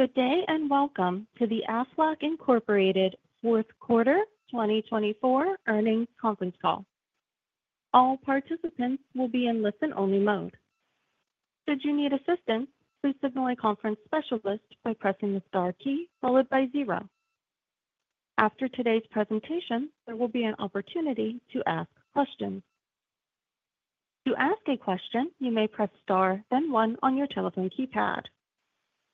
Good day and welcome to the Aflac Incorporated Fourth Quarter 2024 earnings conference call. All participants will be in listen-only mode. Should you need assistance, please signal a conference specialist by pressing the star key followed by zero. After today's presentation, there will be an opportunity to ask questions. To ask a question, you may press star, then one on your telephone keypad.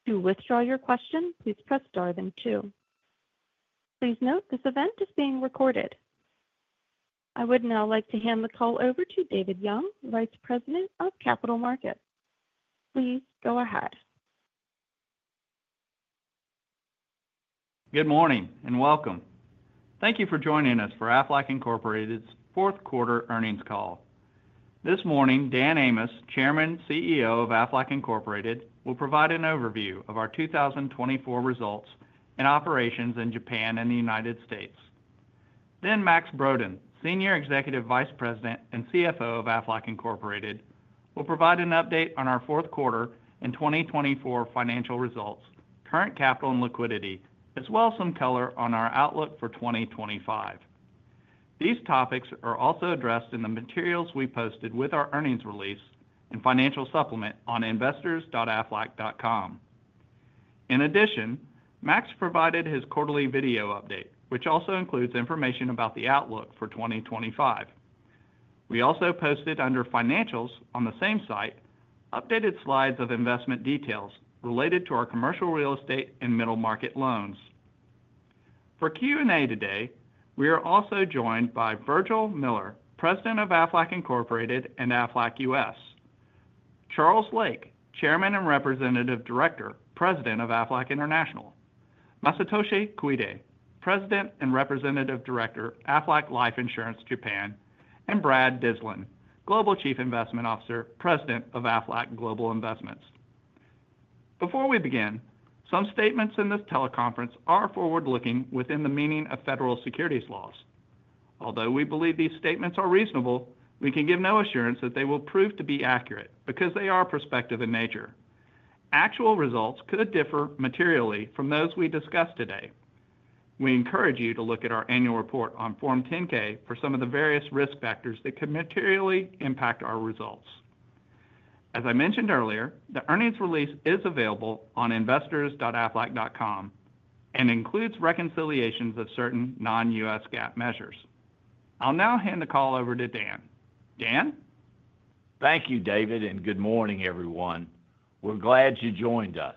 To withdraw your question, please press star, then two. Please note this event is being recorded. I would now like to hand the call over to David Young, Vice President of Capital Markets. Please go ahead. Good morning and welcome. Thank you for joining us for Aflac Incorporated's fourth quarter earnings call. This morning, Dan Amos, Chairman CEO of Aflac Incorporated, will provide an overview of our 2024 results and operations in Japan and the United States. Then Max Brodén, Senior Executive Vice President and CFO of Aflac Incorporated, will provide an update on our fourth quarter and 2024 financial results, current capital and liquidity, as well as some color on our outlook for 2025. These topics are also addressed in the materials we posted with our earnings release and financial supplement on investors.aflac.com. In addition, Max provided his quarterly video update, which also includes information about the outlook for 2025. We also posted under financials on the same site updated slides of investment details related to our commercial real estate and middle market loans. For Q&A today, we are also joined by Virgil Miller, President of Aflac Incorporated and Aflac U.S., Charles Lake, Chairman and Representative Director, President of Aflac International, Masatoshi Koide, President and Representative Director, Aflac Life Insurance Japan, and Brad Dyslin, Global Chief Investment Officer, President of Aflac Global Investments. Before we begin, some statements in this teleconference are forward-looking within the meaning of federal securities laws. Although we believe these statements are reasonable, we can give no assurance that they will prove to be accurate because they are prospective in nature. Actual results could differ materially from those we discuss today. We encourage you to look at our annual report on Form 10-K for some of the various risk factors that could materially impact our results. As I mentioned earlier, the earnings release is available on investors.aflac.com and includes reconciliations of certain non-U.S. GAAP measures. I'll now hand the call over to Dan. Dan? Thank you, David, and good morning, everyone. We're glad you joined us.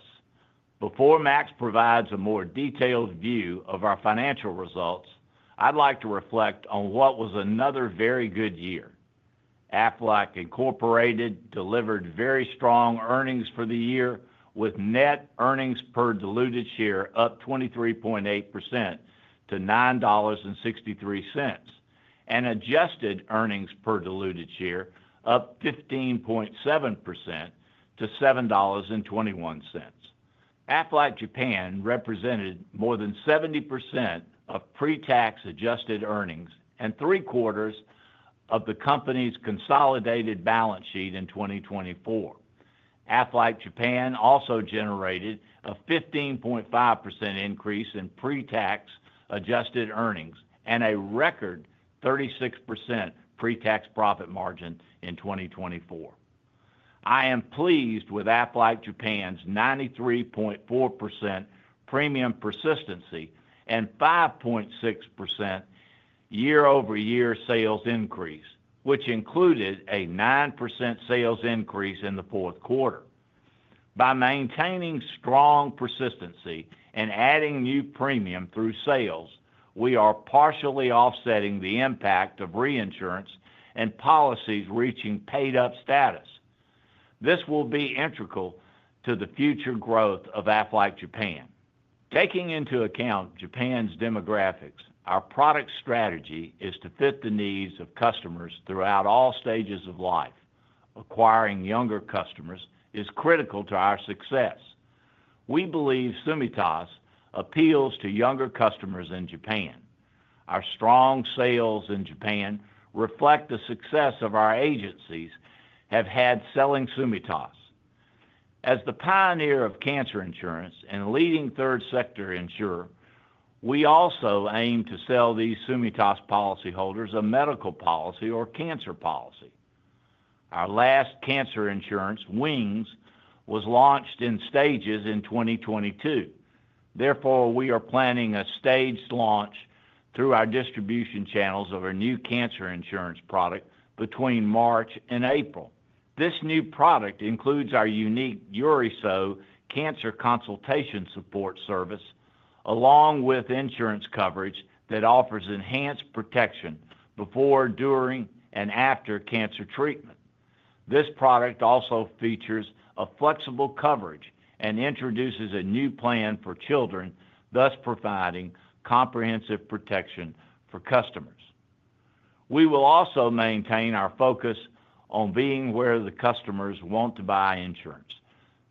Before Max provides a more detailed view of our financial results, I'd like to reflect on what was another very good year. Aflac Incorporated delivered very strong earnings for the year, with net earnings per diluted share up 23.8% to $9.63, and adjusted earnings per diluted share up 15.7% to $7.21. Aflac Japan represented more than 70% of pre-tax adjusted earnings and three-quarters of the company's consolidated balance sheet in 2024. Aflac Japan also generated a 15.5% increase in pre-tax adjusted earnings and a record 36% pre-tax profit margin in 2024. I am pleased with Aflac Japan's 93.4% premium persistency and 5.6% year-over-year sales increase, which included a 9% sales increase in the fourth quarter. By maintaining strong persistency and adding new premium through sales, we are partially offsetting the impact of reinsurance and policies reaching paid-up status. This will be integral to the future growth of Aflac Japan. Taking into account Japan's demographics, our product strategy is to fit the needs of customers throughout all stages of life. Acquiring younger customers is critical to our success. We believe Tsumitas appeals to younger customers in Japan. Our strong sales in Japan reflect the success of our agencies that have had selling Tsumitas. As the pioneer of cancer insurance and leading third-sector insurer, we also aim to sell these Tsumitas policyholders a medical policy or cancer policy. Our last cancer insurance, Wings, was launched in stages in 2022. Therefore, we are planning a staged launch through our distribution channels of our new cancer insurance product between March and April. This new product includes our unique Yorisou cancer consultation support service, along with insurance coverage that offers enhanced protection before, during, and after cancer treatment. This product also features a flexible coverage and introduces a new plan for children, thus providing comprehensive protection for customers. We will also maintain our focus on being where the customers want to buy insurance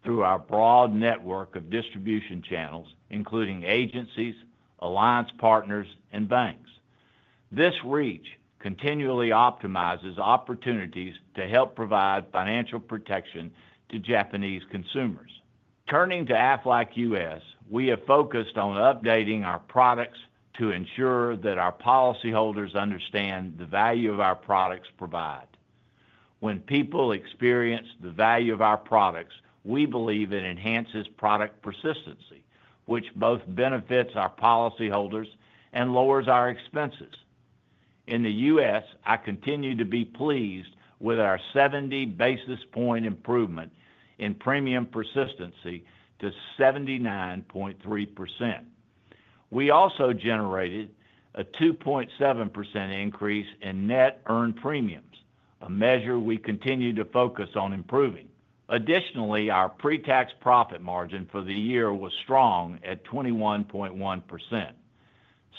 through our broad network of distribution channels, including agencies, alliance partners, and banks. This reach continually optimizes opportunities to help provide financial protection to Japanese consumers. Turning to Aflac U.S., we have focused on updating our products to ensure that our policyholders understand the value of our products provided. When people experience the value of our products, we believe it enhances product persistency, which both benefits our policyholders and lowers our expenses. In the U.S., I continue to be pleased with our 70 basis points improvement in premium persistency to 79.3%. We also generated a 2.7% increase in net earned premiums, a measure we continue to focus on improving. Additionally, our pre-tax profit margin for the year was strong at 21.1%.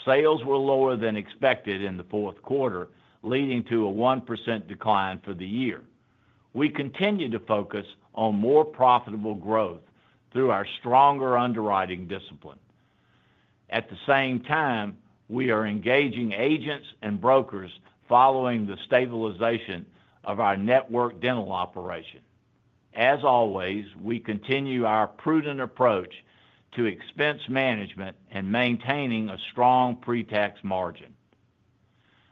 Sales were lower than expected in the fourth quarter, leading to a 1% decline for the year. We continue to focus on more profitable growth through our stronger underwriting discipline. At the same time, we are engaging agents and brokers following the stabilization of our network dental operation. As always, we continue our prudent approach to expense management and maintaining a strong pre-tax margin.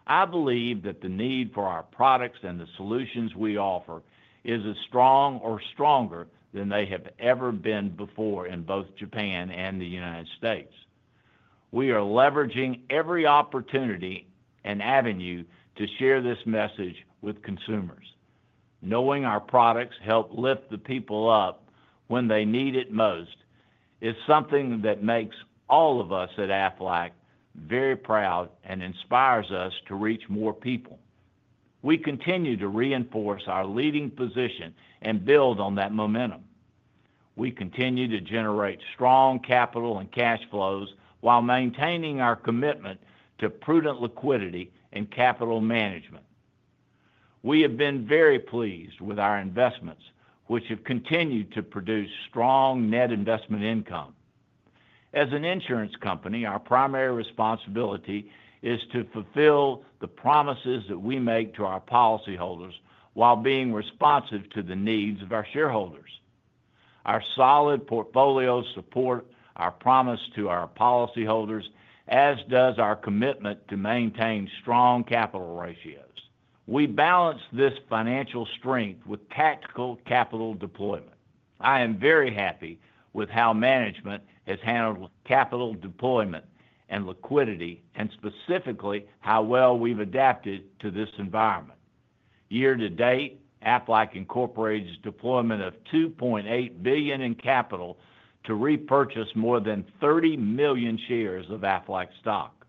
I believe that the need for our products and the solutions we offer is as strong or stronger than they have ever been before in both Japan and the United States. We are leveraging every opportunity and avenue to share this message with consumers. Knowing our products help lift the people up when they need it most is something that makes all of us at Aflac very proud and inspires us to reach more people. We continue to reinforce our leading position and build on that momentum. We continue to generate strong capital and cash flows while maintaining our commitment to prudent liquidity and capital management. We have been very pleased with our investments, which have continued to produce strong net investment income. As an insurance company, our primary responsibility is to fulfill the promises that we make to our policyholders while being responsive to the needs of our shareholders. Our solid portfolios support our promise to our policyholders, as does our commitment to maintain strong capital ratios. We balance this financial strength with tactical capital deployment. I am very happy with how management has handled capital deployment and liquidity, and specifically how well we've adapted to this environment. Year to date, Aflac Incorporated's deployment of $2.8 billion in capital to repurchase more than 30 million shares of Aflac stock.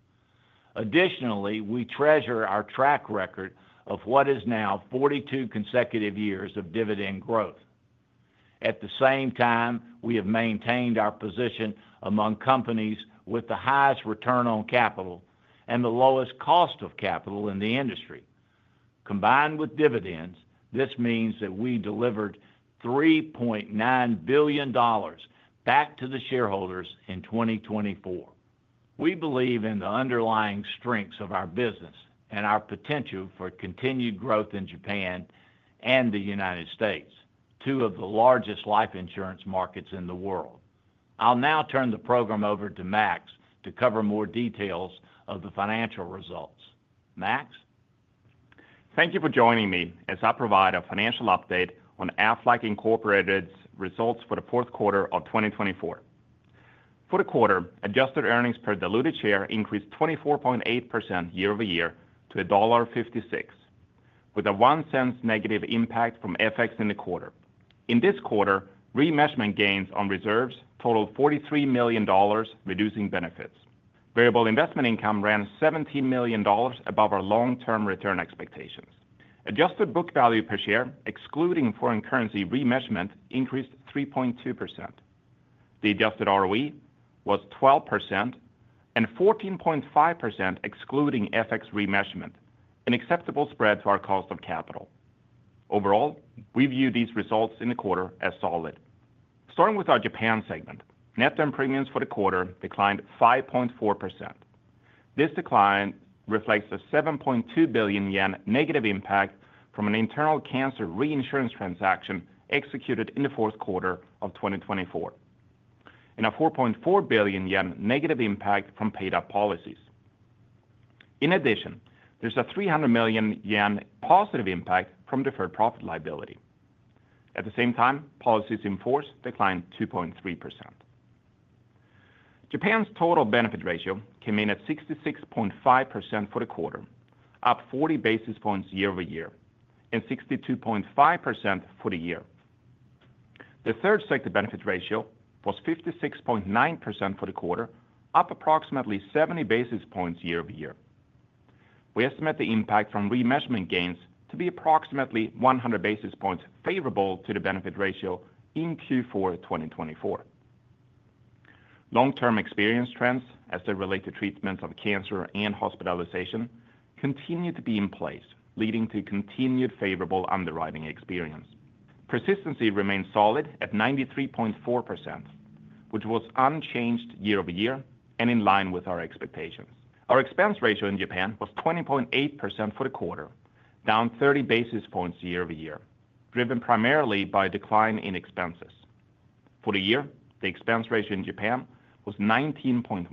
Additionally, we treasure our track record of what is now 42 consecutive years of dividend growth. At the same time, we have maintained our position among companies with the highest return on capital and the lowest cost of capital in the industry. Combined with dividends, this means that we delivered $3.9 billion back to the shareholders in 2024. We believe in the underlying strengths of our business and our potential for continued growth in Japan and the United States, two of the largest life insurance markets in the world. I'll now turn the program over to Max to cover more details of the financial results. Max? Thank you for joining me as I provide a financial update on Aflac Incorporated's results for the fourth quarter of 2024. For the quarter, adjusted earnings per diluted share increased 24.8% year-over-year to $1.56, with a $0.01 negative impact from FX in the quarter. In this quarter, remeasurement gains on reserves totaled $43 million, reducing benefits. Variable investment income ran $17 million above our long-term return expectations. Adjusted book value per share, excluding foreign currency remeasurement, increased 3.2%. The adjusted ROE was 12% and 14.5%, excluding FX remeasurement, an acceptable spread to our cost of capital. Overall, we view these results in the quarter as solid. Starting with our Japan segment, net earned premiums for the quarter declined 5.4%. This decline reflects a 7.2 billion yen negative impact from an internal cancer reinsurance transaction executed in the fourth quarter of 2024, and a 4.4 billion yen negative impact from paid-up policies. In addition, there's a 300 million yen positive impact from deferred profit liability. At the same time, policies enforced declined 2.3%. Japan's total benefit ratio came in at 66.5% for the quarter, up 40 basis points year-over-year, and 62.5% for the year. The third sector benefit ratio was 56.9% for the quarter, up approximately 70 basis points year-over-year. We estimate the impact from remeasurement gains to be approximately 100 basis points favorable to the benefit ratio in Q4 2024. Long-term experience trends as they relate to treatments of cancer and hospitalization continue to be in place, leading to continued favorable underwriting experience. Persistency remains solid at 93.4%, which was unchanged year-over-year and in line with our expectations. Our expense ratio in Japan was 20.8% for the quarter, down 30 basis points year-over-year, driven primarily by a decline in expenses. For the year, the expense ratio in Japan was 19.1%.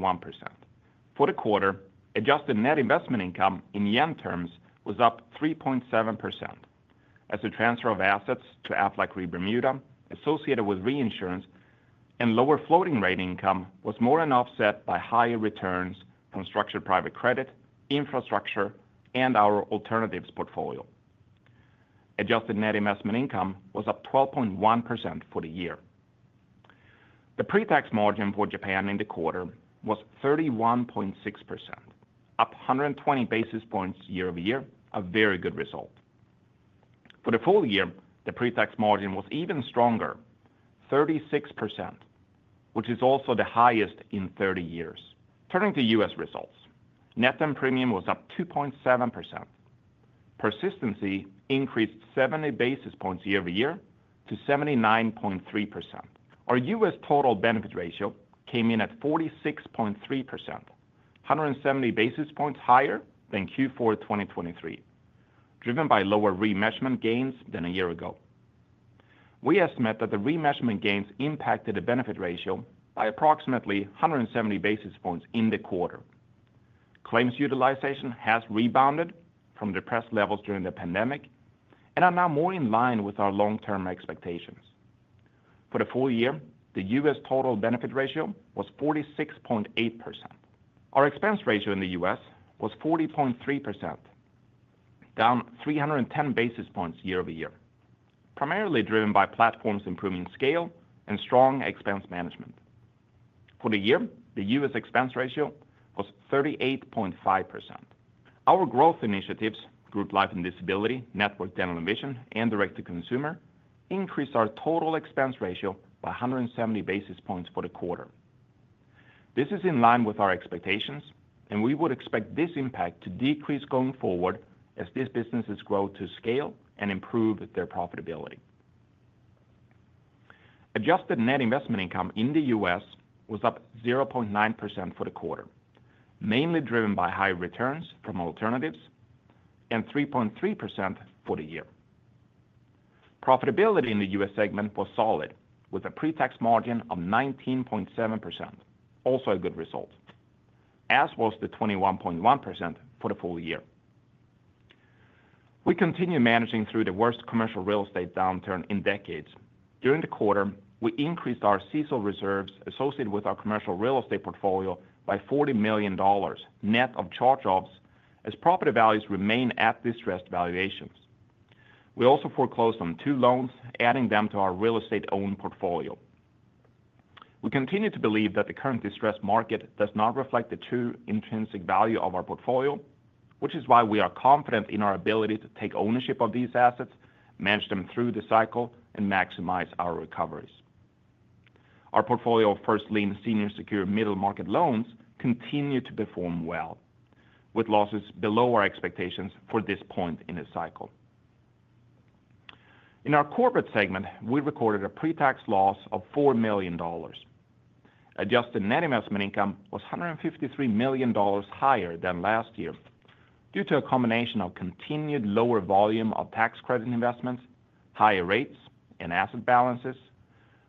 For the quarter, adjusted net investment income in yen terms was up 3.7%. As a transfer of assets to Aflac Re Bermuda, associated with reinsurance and lower floating rate income was more than offset by higher returns from structured private credit, infrastructure, and our alternatives portfolio. Adjusted net investment income was up 12.1% for the year. The pre-tax margin for Japan in the quarter was 31.6%, up 120 basis points year-over-year, a very good result. For the full year, the pre-tax margin was even stronger, 36%, which is also the highest in 30 years. Turning to U.S. results, net earned premium was up 2.7%. Persistency increased 70 basis points year-over-year to 79.3%. Our U.S. total benefit ratio came in at 46.3%, 170 basis points higher than Q4 2023, driven by lower remeasurement gains than a year ago. We estimate that the remeasurement gains impacted the benefit ratio by approximately 170 basis points in the quarter. Claims utilization has rebounded from depressed levels during the pandemic and are now more in line with our long-term expectations. For the full year, the U.S. total benefit ratio was 46.8%. Our expense ratio in the U.S. was 40.3%, down 310 basis points year-over-year, primarily driven by platforms improving scale and strong expense management. For the year, the U.S. expense ratio was 38.5%. Our growth initiatives, Group Life and Disability, Network Dental and Vision, and Direct-to-Consumer, increased our total expense ratio by 170 basis points for the quarter. This is in line with our expectations, and we would expect this impact to decrease going forward as these businesses grow to scale and improve their profitability. Adjusted net investment income in the U.S. was up 0.9% for the quarter, mainly driven by high returns from alternatives and 3.3% for the year. Profitability in the U.S. segment was solid, with a pre-tax margin of 19.7%, also a good result, as was the 21.1% for the full year. We continue managing through the worst commercial real estate downturn in decades. During the quarter, we increased our CECL reserves associated with our commercial real estate portfolio by $40 million net of charge-offs as property values remain at distressed valuations. We also foreclosed on two loans, adding them to our real estate-owned portfolio. We continue to believe that the current distressed market does not reflect the true intrinsic value of our portfolio, which is why we are confident in our ability to take ownership of these assets, manage them through the cycle, and maximize our recoveries. Our portfolio of First Lien, Senior Secured, and Middle Market loans continued to perform well, with losses below our expectations for this point in the cycle. In our corporate segment, we recorded a pre-tax loss of $4 million. Adjusted net investment income was $153 million higher than last year due to a combination of continued lower volume of tax credit investments, higher rates, and asset balances,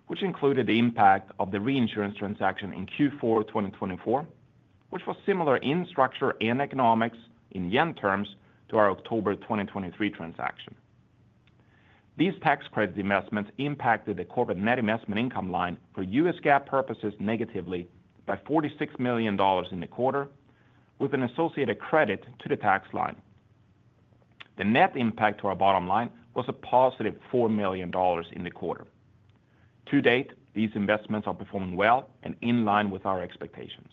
which included the impact of the reinsurance transaction in Q4 2024, which was similar in structure and economics in yen terms to our October 2023 transaction. These tax credit investments impacted the corporate net investment income line for U.S. GAAP purposes negatively by $46 million in the quarter, with an associated credit to the tax line. The net impact to our bottom line was a positive $4 million in the quarter. To date, these investments are performing well and in line with our expectations.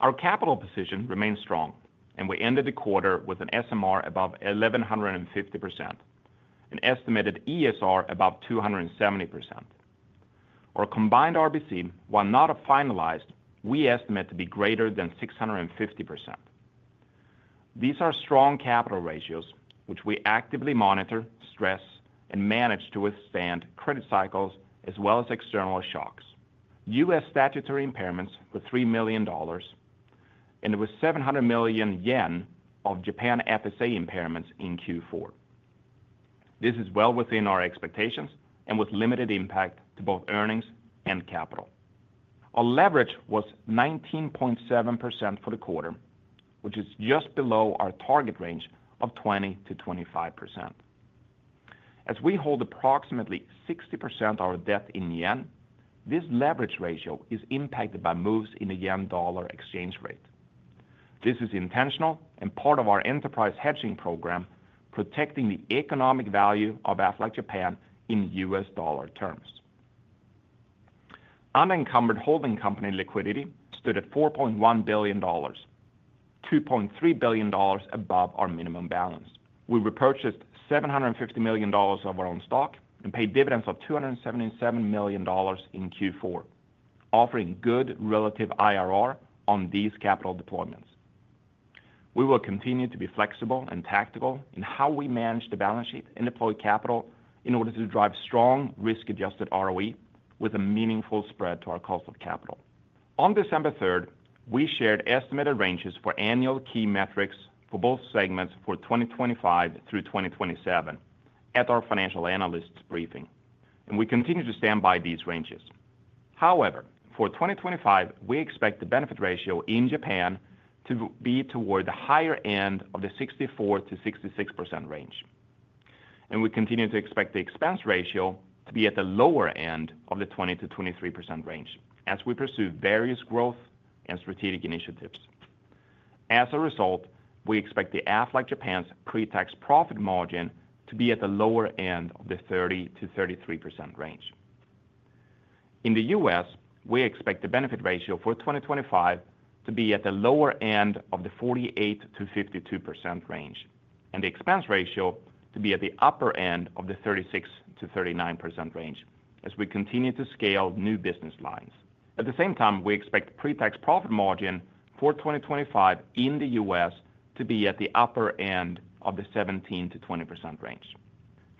Our capital position remains strong, and we ended the quarter with an SMR above 1150%, an estimated ESR above 270%. Our combined RBC, while not finalized, we estimate to be greater than 650%. These are strong capital ratios, which we actively monitor, stress, and manage to withstand credit cycles as well as external shocks. U.S. statutory impairments were $3 million, and there was 700 million yen of Japan FSA impairments in Q4. This is well within our expectations and with limited impact to both earnings and capital. Our leverage was 19.7% for the quarter, which is just below our target range of 20%-25%. As we hold approximately 60% of our debt in yen, this leverage ratio is impacted by moves in the yen/dollar exchange rate. This is intentional and part of our enterprise hedging program, protecting the economic value of Aflac Japan in U.S. dollar terms. Unencumbered holding company liquidity stood at $4.1 billion, $2.3 billion above our minimum balance. We repurchased $750 million of our own stock and paid dividends of $277 million in Q4, offering good relative IRR on these capital deployments. We will continue to be flexible and tactical in how we manage the balance sheet and deploy capital in order to drive strong risk-adjusted ROE with a meaningful spread to our cost of capital. On December 3rd, we shared estimated ranges for annual key metrics for both segments for 2025 through 2027 at our financial analysts' briefing, and we continue to stand by these ranges. However, for 2025, we expect the benefit ratio in Japan to be toward the higher end of the 64%-66% range, and we continue to expect the expense ratio to be at the lower end of the 20%-23% range as we pursue various growth and strategic initiatives. As a result, we expect Aflac Japan's pre-tax profit margin to be at the lower end of the 30%-33% range. In the U.S., we expect the benefit ratio for 2025 to be at the lower end of the 48%-52% range, and the expense ratio to be at the upper end of the 36%-39% range as we continue to scale new business lines. At the same time, we expect the pre-tax profit margin for 2025 in the U.S. to be at the upper end of the 17%-20% range.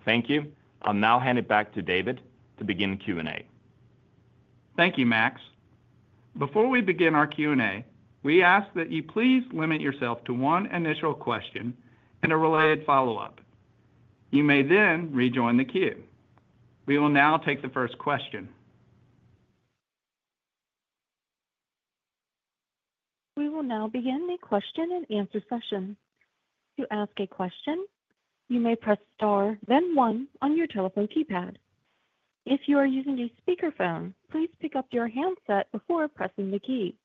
Thank you. I'll now hand it back to David to begin Q&A. Thank you, Max. Before we begin our Q&A, we ask that you please limit yourself to one initial question and a related follow-up. You may then rejoin the queue. We will now take the first question. We will now begin the question and answer session. To ask a question, you may press star, then one on your telephone keypad. If you are using a speakerphone, please pick up your handset before pressing the key.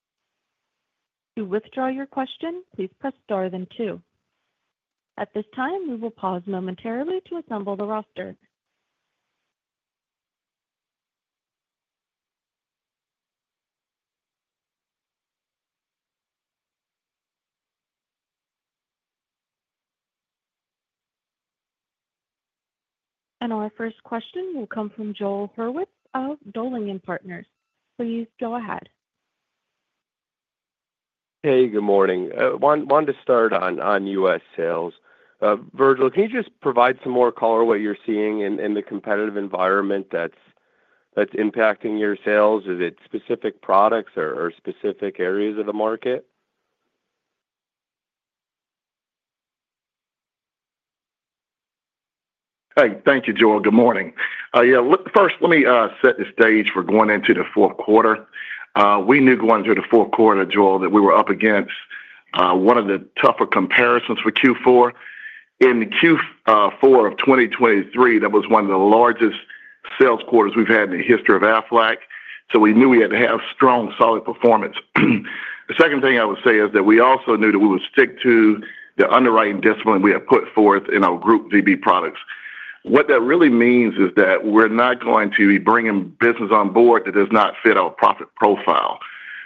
To withdraw your question, please press star, then two. At this time, we will pause momentarily to assemble the roster. And our first question will come from Joel Hurwitz of Dowling & Partners. Please go ahead. Hey, good morning. Wanted to start on U.S. sales. Virgil, can you just provide some more color of what you're seeing in the competitive environment that's impacting your sales? Is it specific products or specific areas of the market? Hey, thank you, Joel. Good morning. Yeah, first, let me set the stage for going into the fourth quarter. We knew going through the fourth quarter, Joel, that we were up against one of the tougher comparisons for Q4. In Q4 of 2023, that was one of the largest sales quarters we've had in the history of Aflac, so we knew we had to have strong, solid performance. The second thing I would say is that we also knew that we would stick to the underwriting discipline we have put forth in our Group VB products. What that really means is that we're not going to be bringing business on board that does not fit our profit profile.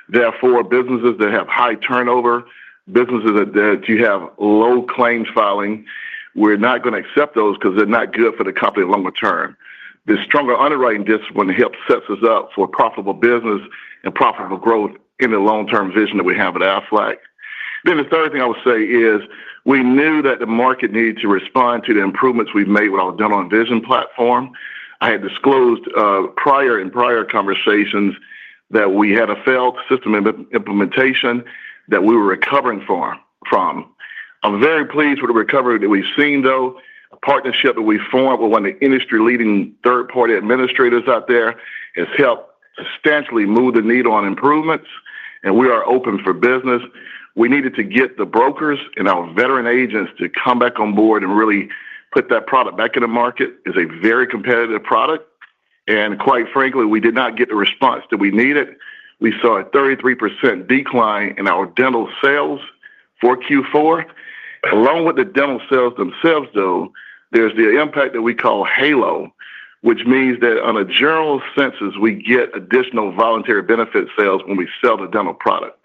Therefore, businesses that have high turnover, businesses that you have low claims filing, we're not going to accept those because they're not good for the company longer term. The stronger underwriting discipline helps set us up for profitable business and profitable growth in the long-term vision that we have at Aflac. Then the third thing I would say is we knew that the market needed to respond to the improvements we've made with our dental and vision platform. I had disclosed prior and prior conversations that we had a failed system implementation that we were recovering from. I'm very pleased with the recovery that we've seen, though. A partnership that we formed with one of the industry-leading third-party administrators out there has helped substantially move the needle on improvements, and we are open for business. We needed to get the brokers and our veteran agents to come back on board and really put that product back in the market. It's a very competitive product, and quite frankly, we did not get the response that we needed. We saw a 33% decline in our dental sales for Q4. Along with the dental sales themselves, though, there's the impact that we call halo, which means that on a general consensus, we get additional voluntary benefit sales when we sell the dental product.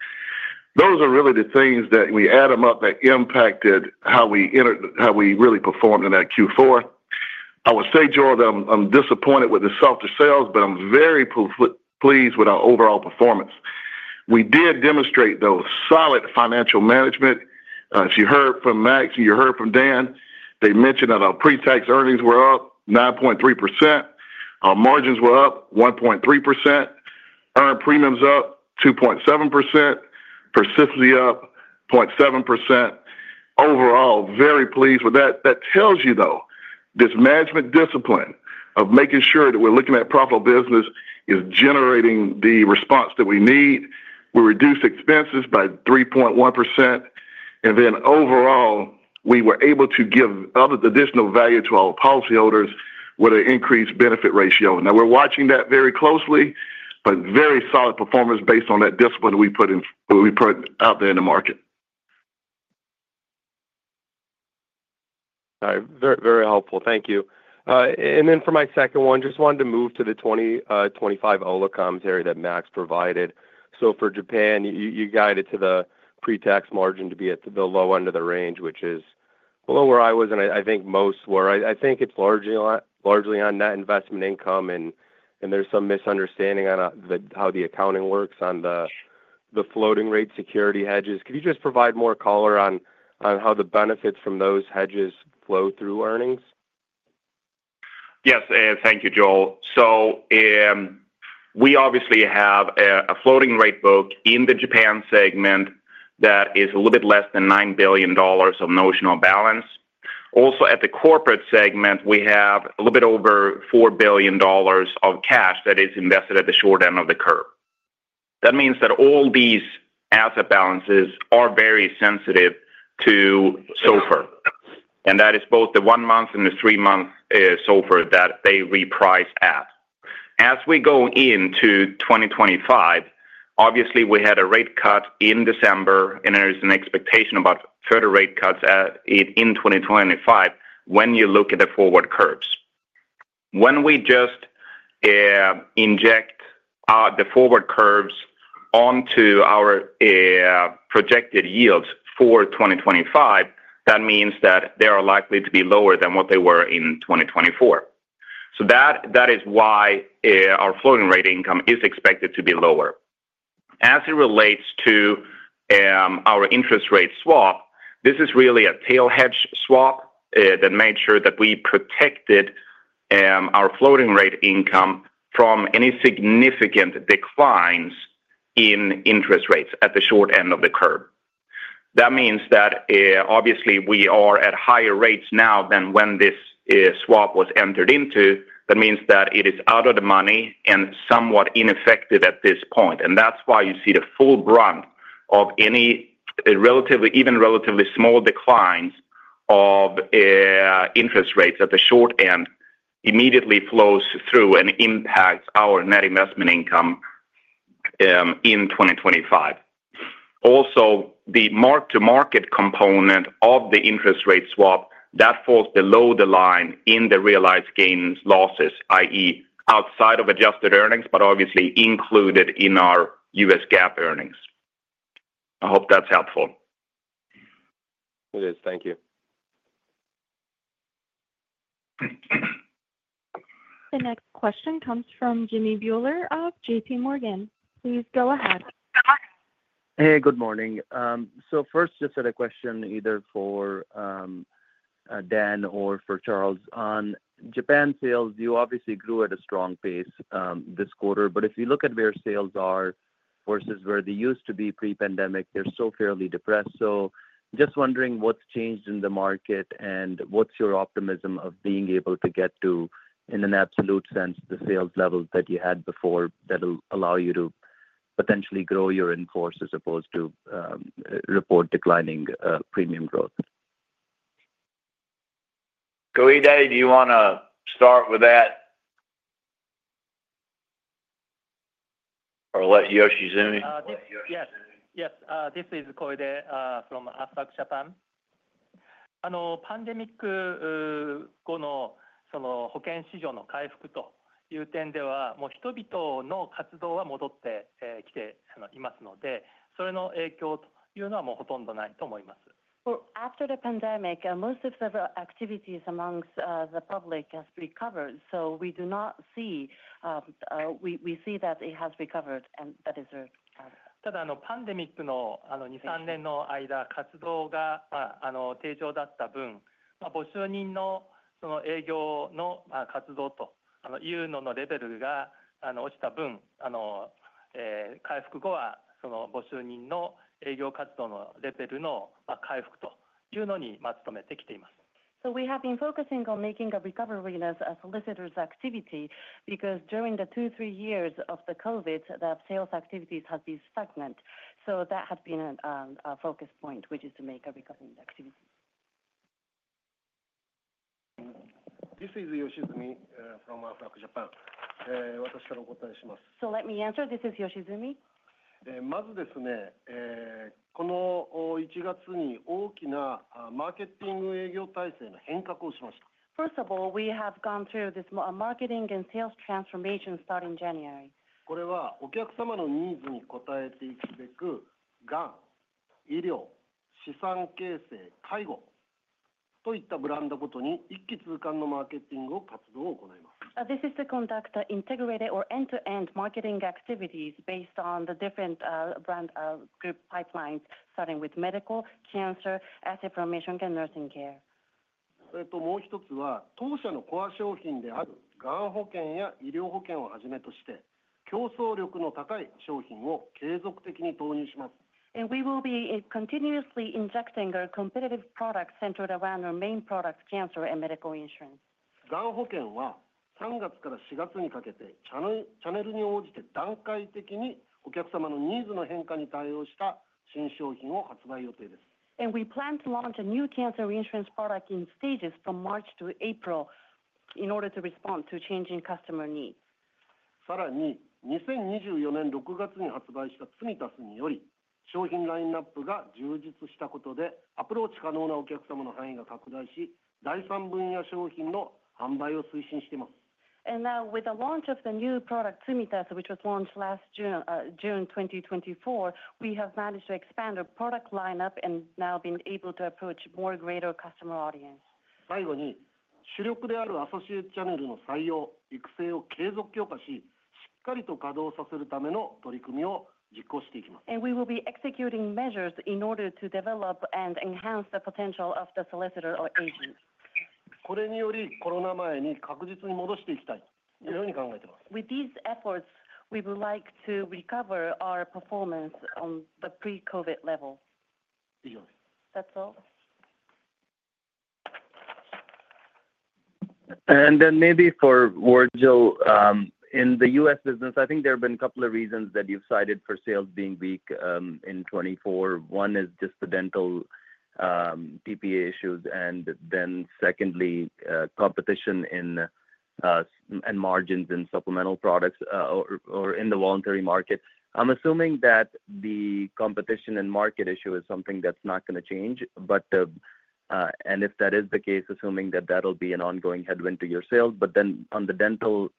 Those are really the things that we add them up that impacted how we really performed in that Q4. I would say, Joel, that I'm disappointed with the softer sales, but I'm very pleased with our overall performance. We did demonstrate, though, solid financial management. As you heard from Max and you heard from Dan, they mentioned that our pre-tax earnings were up 9.3%. Our margins were up 1.3%. Earned premiums up 2.7%. Persistency up 0.7%. Overall, very pleased with that. That tells you, though, this management discipline of making sure that we're looking at profitable business is generating the response that we need. We reduced expenses by 3.1%, and then overall, we were able to give additional value to our policyholders with an increased benefit ratio. Now, we're watching that very closely, but very solid performance based on that discipline we put out there in the market. All right. Very helpful. Thank you. And then for my second one, just wanted to move to the 2025 outlook comment area that Max provided. So for Japan, you guided to the pre-tax margin to be at the low end of the range, which is below where I was, and I think most were. I think it's largely on net investment income, and there's some misunderstanding on how the accounting works on the floating rate security hedges. Could you just provide more color on how the benefits from those hedges flow through earnings? Yes. Thank you, Joel. So we obviously have a floating rate book in the Japan segment that is a little bit less than $9 billion of notional balance. Also, at the corporate segment, we have a little bit over $4 billion of cash that is invested at the short end of the curve. That means that all these asset balances are very sensitive to SOFR, and that is both the one-month and the three-month SOFR that they reprice at. As we go into 2025, obviously, we had a rate cut in December, and there's an expectation about further rate cuts in 2025 when you look at the forward curves. When we just inject the forward curves onto our projected yields for 2025, that means that they are likely to be lower than what they were in 2024. So that is why our floating rate income is expected to be lower. As it relates to our interest rate swap, this is really a tail hedge swap that made sure that we protected our floating rate income from any significant declines in interest rates at the short end of the curve. That means that, obviously, we are at higher rates now than when this swap was entered into. That means that it is out of the money and somewhat ineffective at this point, and that's why you see the full brunt of any relative, even relatively small declines of interest rates at the short end immediately flows through and impacts our net investment income in 2025. Also, the mark-to-market component of the interest rate swap, that falls below the line in the realized gains and losses, i.e., outside of adjusted earnings, but obviously included in our U.S. GAAP earnings. I hope that's helpful. It is. Thank you. The next question comes from Jimmy Bhullar of JPMorgan. Please go ahead. Hey, good morning. So first, just had a question either for Dan or for Charles. On Japan sales, you obviously grew at a strong pace this quarter, but if you look at where sales are versus where they used to be pre-pandemic, they're still fairly depressed. So just wondering what's changed in the market and what's your optimism of being able to get to, in an absolute sense, the sales levels that you had before that will allow you to potentially grow your in force as opposed to reported declining premium growth? Koide, do you want to start with that or let Yoshizumi? Yes. Yes. This is Koide from Aflac Japan. パンデミック後の保険市場の回復という点では、もう人々の活動は戻ってきていますので、それの影響というのはもうほとんどないと思います。After the pandemic, most of several activities among the public have recovered, so we see that it has recovered, and that is it. ただ、パンデミックの2、3年の間、活動が低調だった分、募集人の営業の活動というののレベルが落ちた分、回復後は募集人の営業活動のレベルの回復というのに努めてきています。So we have been focusing on making a recovery as a solicitor's activity because during the two, three years of the COVID, the sales activities have been stagnant. So that has been a focus point, which is to make a recovery activity. This is Yoshizumi from Aflac Japan. 私からお答えします。Let me answer. This is Yoshizumi. まずですね、この1月に大きなマーケティング営業体制の変革をしました。First of all, we have gone through this marketing and sales transformation starting January. これはお客様のニーズに応えていくべく、がん、医療、資産形成、介護といったブランドごとに一気通貫のマーケティングを活動を行います。This is to conduct integrated or end-to-end marketing activities based on the different brand group pipelines, starting with medical, cancer, asset formation, and nursing care. それともう一つは、当社のコア商品であるがん保険や医療保険をはじめとして、競争力の高い商品を継続的に投入します。We will be continuously injecting our competitive products centered around our main products, cancer and medical insurance. がん保険は3月から4月にかけて、チャネルに応じて段階的にお客様のニーズの変化に対応した新商品を発売予定です。We plan to launch a new cancer insurance product in stages from March to April in order to respond to changing customer needs. さらに、2024年6月に発売したツミタスにより、商品ラインナップが充実したことで、アプローチ可能なお客様の範囲が拡大し、第3分野商品の販売を推進しています。Now, with the launch of the new product Tsumitas, which was launched last June, June 2024, we have managed to expand our product lineup and now been able to approach more greater customer audience. 最後に、主力であるアソシエイトチャネルの採用、育成を継続強化し、しっかりと稼働させるための取り組みを実行していきます。We will be executing measures in order to develop and enhance the potential of the solicitor or agent. これによりコロナ前に確実に戻していきたいというように考えています。With these efforts, we would like to recover our performance on the pre-COVID level. 以上です。That's all. Maybe for Virgil, in the U.S. business, I think there have been a couple of reasons that you've cited for sales being weak in 2024. One is just the dental TPA issues, and then secondly, competition and margins in supplemental products or in the voluntary market. I'm assuming that the competition and market issue is something that's not going to change, and if that is the case, assuming that that'll be an ongoing headwind to your sales. But then on the dental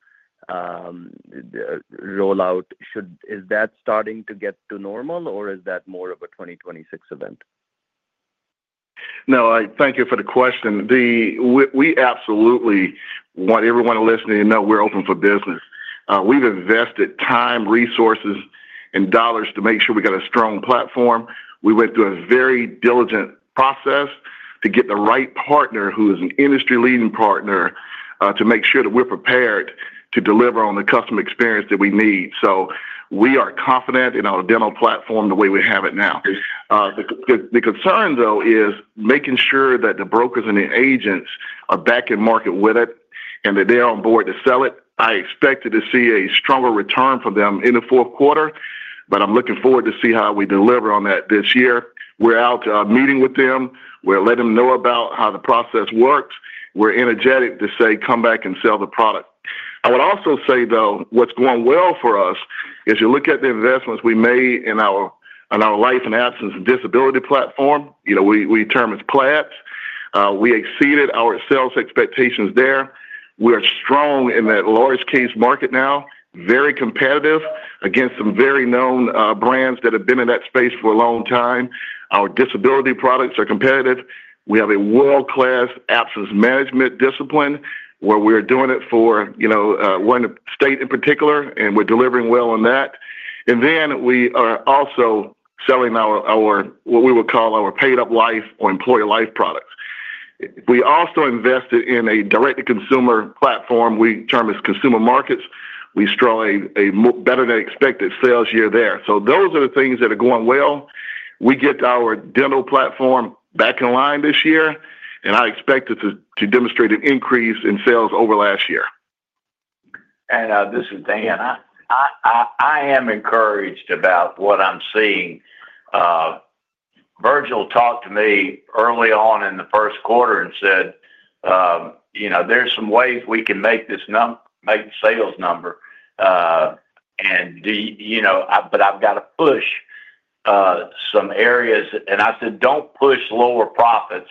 rollout, is that starting to get to normal, or is that more of a 2026 event? No, thank you for the question. We absolutely want everyone listening to know we're open for business. We've invested time, resources, and dollars to make sure we've got a strong platform. We went through a very diligent process to get the right partner who is an industry-leading partner to make sure that we're prepared to deliver on the customer experience that we need. So we are confident in our dental platform the way we have it now. The concern, though, is making sure that the brokers and the agents are back in market with it and that they're on board to sell it. I expected to see a stronger return for them in the fourth quarter, but I'm looking forward to see how we deliver on that this year. We're out meeting with them. We'll let them know about how the process works. We're eager to say, "Come back and sell the product." I would also say, though, what's going well for us is you look at the investments we made in our life and absence and disability platform. We term it PLADS. We exceeded our sales expectations there. We are strong in that large case market now, very competitive against some very known brands that have been in that space for a long time. Our disability products are competitive. We have a world-class absence management discipline where we're doing it for one state in particular, and we're delivering well on that, and then we are also selling what we would call our paid-up life or employee life products. We also invested in a direct-to-consumer platform we term as Consumer Markets. We saw a better-than-expected sales year there, so those are the things that are going well. We get our dental platform back in line this year, and I expect it to demonstrate an increase in sales over last year. And this is Dan. I am encouraged about what I'm seeing. Virgil talked to me early on in the first quarter and said, "There's some ways we can make this sales number, but I've got to push some areas," and I said, "Don't push lower profits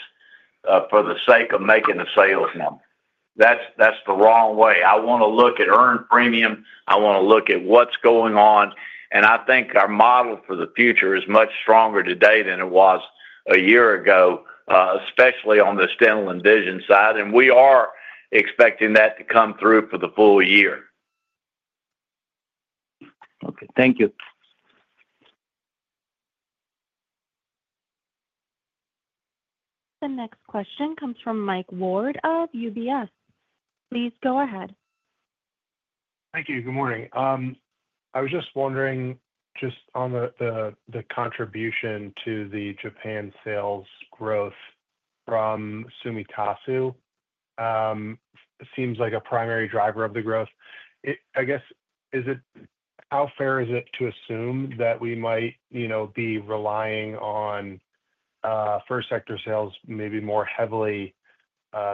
for the sake of making a sales number. That's the wrong way. I want to look at earned premium. I want to look at what's going on," and I think our model for the future is much stronger today than it was a year ago, especially on the dental and Vision side, and we are expecting that to come through for the full year. Okay. Thank you. The next question comes from Mike Ward of UBS. Please go ahead. Thank you. Good morning. I was just wondering just on the contribution to the Japan sales growth from Tsumitasu. It seems like a primary driver of the growth. I guess, how fair is it to assume that we might be relying on first sector sales maybe more heavily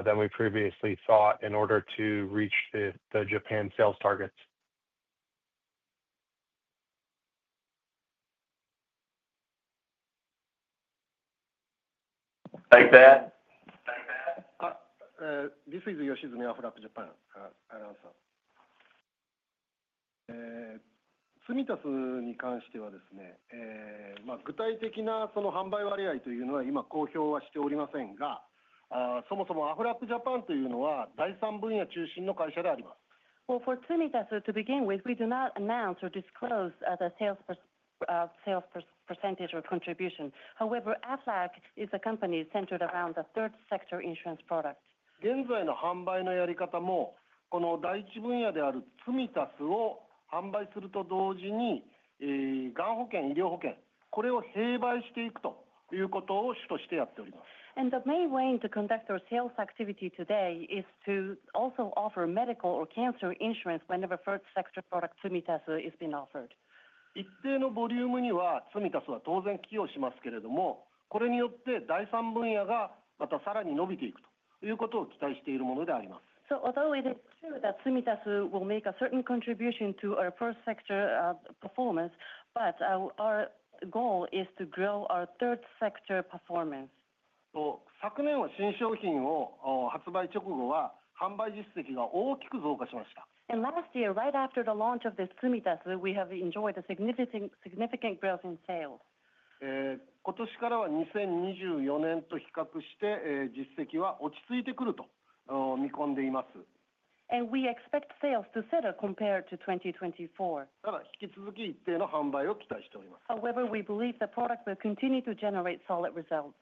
than we previously thought in order to reach the Japan sales targets? Like that? This is Koichiro Yoshizumi of Aflac Japan. ツミタスに関してはですね、具体的な販売割合というのは今公表はしておりませんが、そもそもアフラックジャパンというのは第3分野中心の会社であります。For Tsumitas, to begin with, we do not announce or disclose the sales percentage or contribution. However, Aflac is a company centered around the third sector insurance product. 現在の販売のやり方も、この第1分野であるツミタスを販売すると同時に、がん保険、医療保険、これを併売していくということを主としてやっております。The main way to conduct our sales activity today is to also offer medical or cancer insurance whenever first sector product Tsumitasu is being offered. 一定のボリュームにはツミタスは当然寄与しますけれども、これによって第3分野がまたさらに伸びていくということを期待しているものであります。So although it is true that Tsumitasu will make a certain contribution to our first sector performance, our goal is to grow our third sector performance. 昨年は新商品を発売直後は販売実績が大きく増加しました。Last year, right after the launch of this Tsumitasu, we have enjoyed a significant growth in sales. 今年からは2024年と比較して実績は落ち着いてくると見込んでいます。We expect sales to settle compared to 2024. ただ、引き続き一定の販売を期待しております。However, we believe the product will continue to generate solid results.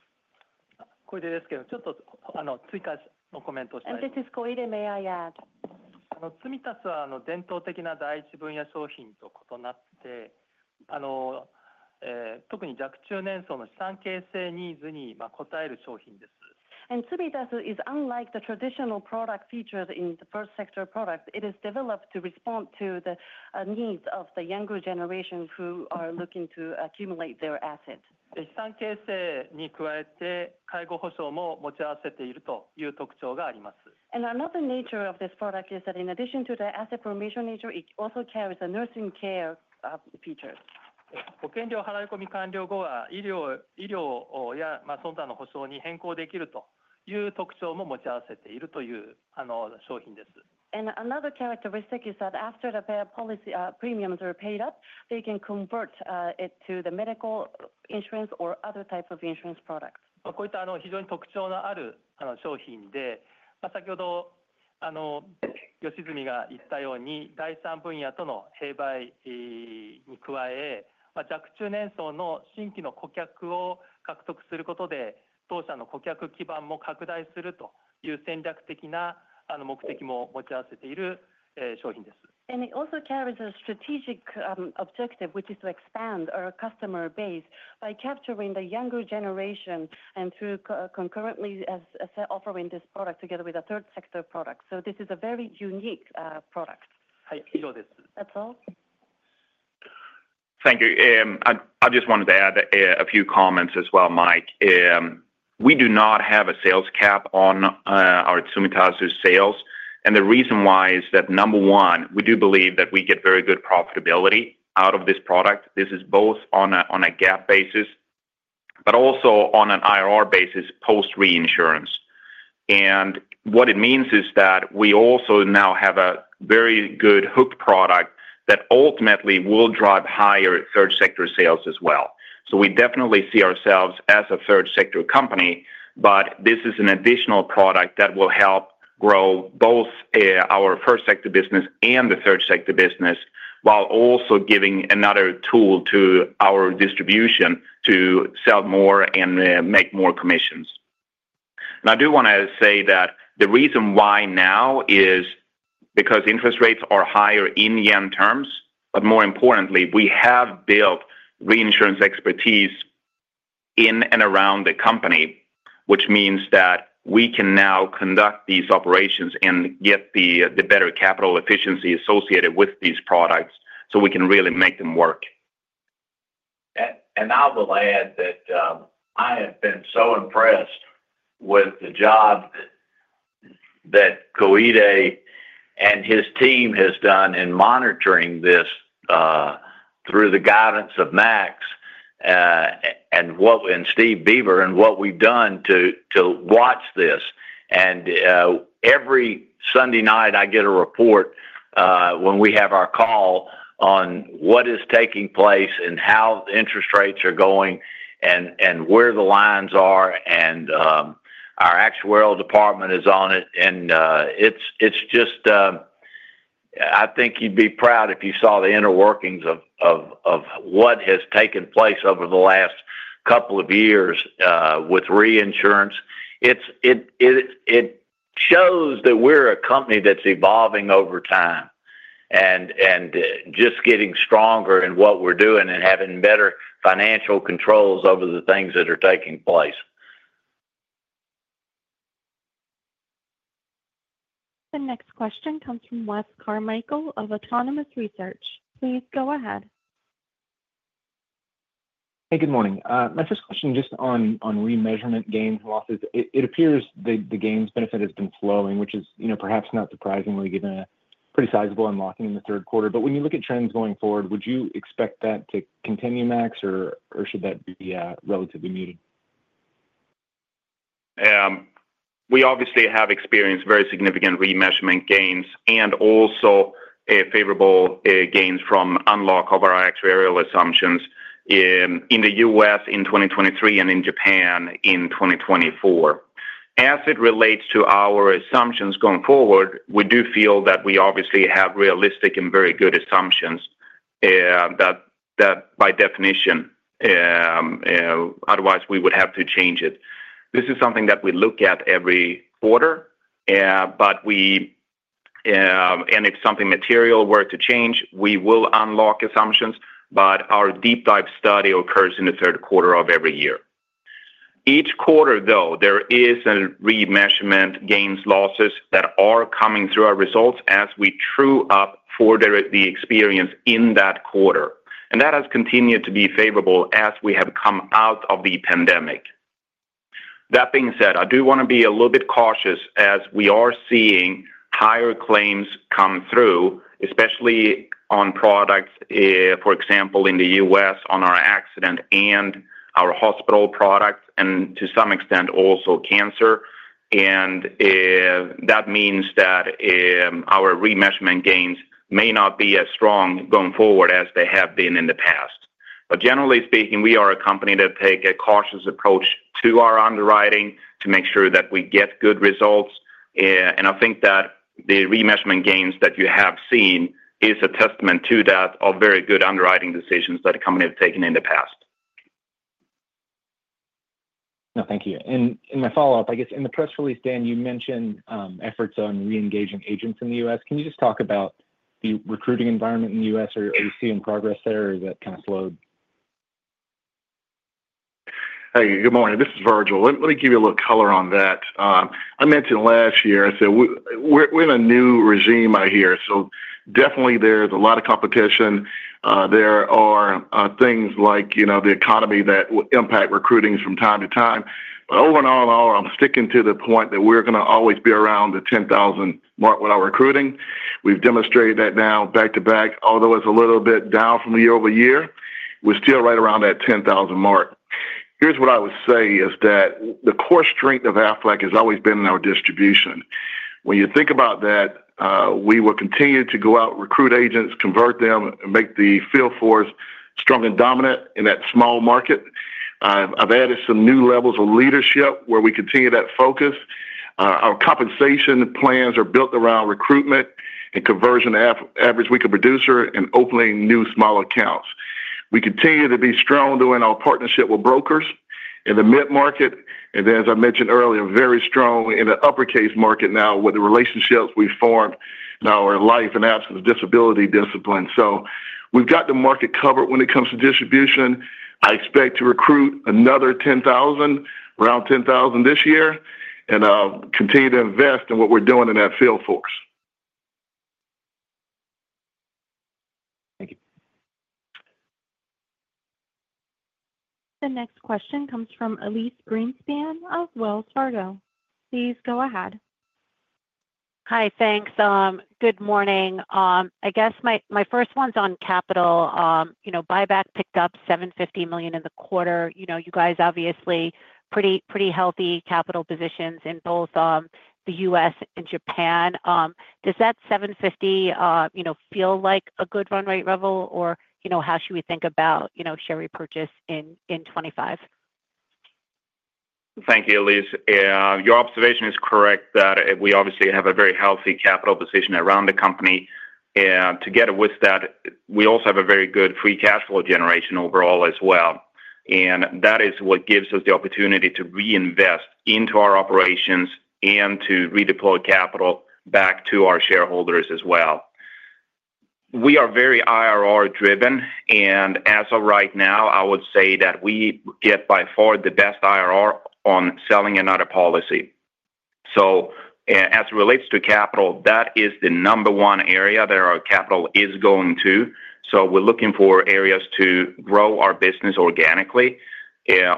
こいでですけど、ちょっと追加のコメントをしたいです。This is Koide. May I add? ツミタスは伝統的な第1分野商品と異なって、特に若中年層の資産形成ニーズに応える商品です。Tsumitasu is unlike the traditional product featured in the first sector product. It is developed to respond to the needs of the younger generation who are looking to accumulate their assets. 資産形成に加えて、介護保障も持ち合わせているという特徴があります。Another nature of this product is that in addition to the asset formation nature, it also carries a nursing care feature. 保険料払い込み完了後は医療や損害の補償に変更できるという特徴も持ち合わせているという商品です。Another characteristic is that after the premiums are paid up, they can convert it to the medical insurance or other type of insurance product. こういった非常に特徴のある商品で、先ほど吉住が言ったように、第3分野との併売に加え、若中年層の新規の顧客を獲得することで当社の顧客基盤も拡大するという戦略的な目的も持ち合わせている商品です。It also carries a strategic objective, which is to expand our customer base by capturing the younger generation and concurrently offering this product together with a third sector product. This is a very unique product. はい、以上です。That's all. Thank you. I just wanted to add a few comments as well, Mike. We do not have a sales cap on our Tsumitasu sales, and the reason why is that, number one, we do believe that we get very good profitability out of this product. This is both on a GAAP basis, but also on an IRR basis post-reinsurance, and what it means is that we also now have a very good hook product that ultimately will drive higher third sector sales as well, so we definitely see ourselves as a third sector company, but this is an additional product that will help grow both our first sector business and the third sector business while also giving another tool to our distribution to sell more and make more commissions. I do want to say that the reason why now is because interest rates are higher in yen terms, but more importantly, we have built reinsurance expertise in and around the company, which means that we can now conduct these operations and get the better capital efficiency associated with these products so we can really make them work. And I will add that I have been so impressed with the job that Koide and his team has done in monitoring this through the guidance of Max and Steve Beaver and what we've done to watch this. And every Sunday night, I get a report when we have our call on what is taking place and how interest rates are going and where the lines are, and our actuarial department is on it. And it's just, I think you'd be proud if you saw the inner workings of what has taken place over the last couple of years with reinsurance. It shows that we're a company that's evolving over time and just getting stronger in what we're doing and having better financial controls over the things that are taking place. The next question comes from Wes Carmichael of Autonomous Research. Please go ahead. Hey, good morning. My first question just on remeasurement gains and losses. It appears the gains benefit has been flowing, which is perhaps not surprisingly given a pretty sizable unlocking in the third quarter. But when you look at trends going forward, would you expect that to continue, Max, or should that be relatively muted? We obviously have experienced very significant remeasurement gains and also favorable gains from unlock of our actuarial assumptions in the U.S. in 2023 and in Japan in 2024. As it relates to our assumptions going forward, we do feel that we obviously have realistic and very good assumptions by definition. Otherwise, we would have to change it. This is something that we look at every quarter, and if something material were to change, we will unlock assumptions, but our deep dive study occurs in the third quarter of every year. Each quarter, though, there is a remeasurement gains losses that are coming through our results as we true up for the experience in that quarter, and that has continued to be favorable as we have come out of the pandemic. That being said, I do want to be a little bit cautious as we are seeing higher claims come through, especially on products, for example, in the U.S. on our accident and our hospital products, and to some extent also cancer. And that means that our remeasurement gains may not be as strong going forward as they have been in the past. But generally speaking, we are a company that takes a cautious approach to our underwriting to make sure that we get good results. And I think that the remeasurement gains that you have seen are a testament to that of very good underwriting decisions that a company has taken in the past. No, thank you. And in my follow-up, I guess in the press release, Dan, you mentioned efforts on reengaging agents in the U.S. Can you just talk about the recruiting environment in the U.S.? Are you seeing progress there, or is that kind of slowed? Hey, good morning. This is Virgil. Let me give you a little color on that. I mentioned last year, I said, "We're in a new regime out here." So definitely, there's a lot of competition. There are things like the economy that will impact recruiting from time to time. But overall, I'm sticking to the point that we're going to always be around the 10,000 mark with our recruiting. We've demonstrated that now back to back, although it's a little bit down from year over year. We're still right around that 10,000 mark. Here's what I would say is that the core strength of Aflac has always been in our distribution. When you think about that, we will continue to go out, recruit agents, convert them, and make the field force strong and dominant in that small market. I've added some new levels of leadership where we continue that focus. Our compensation plans are built around recruitment and conversion, average week of production, and opening new small accounts. We continue to be strong in our partnership with brokers in the mid-market, and then, as I mentioned earlier, very strong in the upper-case market now with the relationships we've formed in our life and accident disability discipline, so we've got the market covered when it comes to distribution. I expect to recruit another 10,000, around 10,000 this year, and continue to invest in what we're doing in that field force. Thank you. The next question comes from Elyse Greenspan of Wells Fargo. Please go ahead. Hi, thanks. Good morning. I guess my first one's on capital. Buyback picked up $750 million in the quarter. You guys obviously have pretty healthy capital positions in both the U.S. and Japan. Does that $750 feel like a good runway run rate, or how should we think about share repurchase in 2025? Thank you, Elise. Your observation is correct that we obviously have a very healthy capital position around the company. Together with that, we also have a very good free cash flow generation overall as well, and that is what gives us the opportunity to reinvest into our operations and to redeploy capital back to our shareholders as well. We are very IRR-driven, and as of right now, I would say that we get by far the best IRR on selling another policy, so as it relates to capital, that is the number one area that our capital is going to, so we're looking for areas to grow our business organically.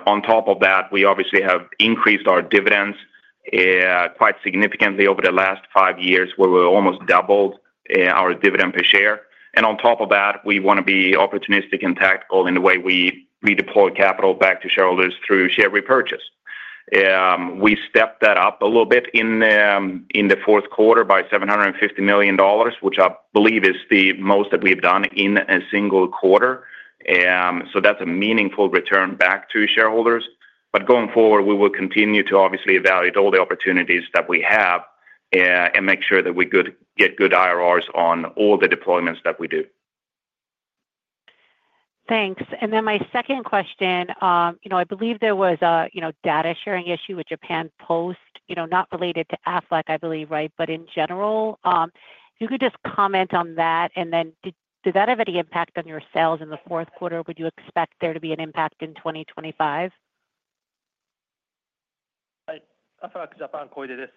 On top of that, we obviously have increased our dividends quite significantly over the last five years where we've almost doubled our dividend per share. And on top of that, we want to be opportunistic and tactical in the way we redeploy capital back to shareholders through share repurchase. We stepped that up a little bit in the fourth quarter by $750 million, which I believe is the most that we've done in a single quarter. So that's a meaningful return back to shareholders. But going forward, we will continue to obviously evaluate all the opportunities that we have and make sure that we get good IRRs on all the deployments that we do. Thanks. And then my second question, I believe there was a data sharing issue with Japan Post, not related to Aflac, I believe, right? But in general, if you could just comment on that, and then did that have any impact on your sales in the fourth quarter? Would you expect there to be an impact in 2025? Because I found Koide this.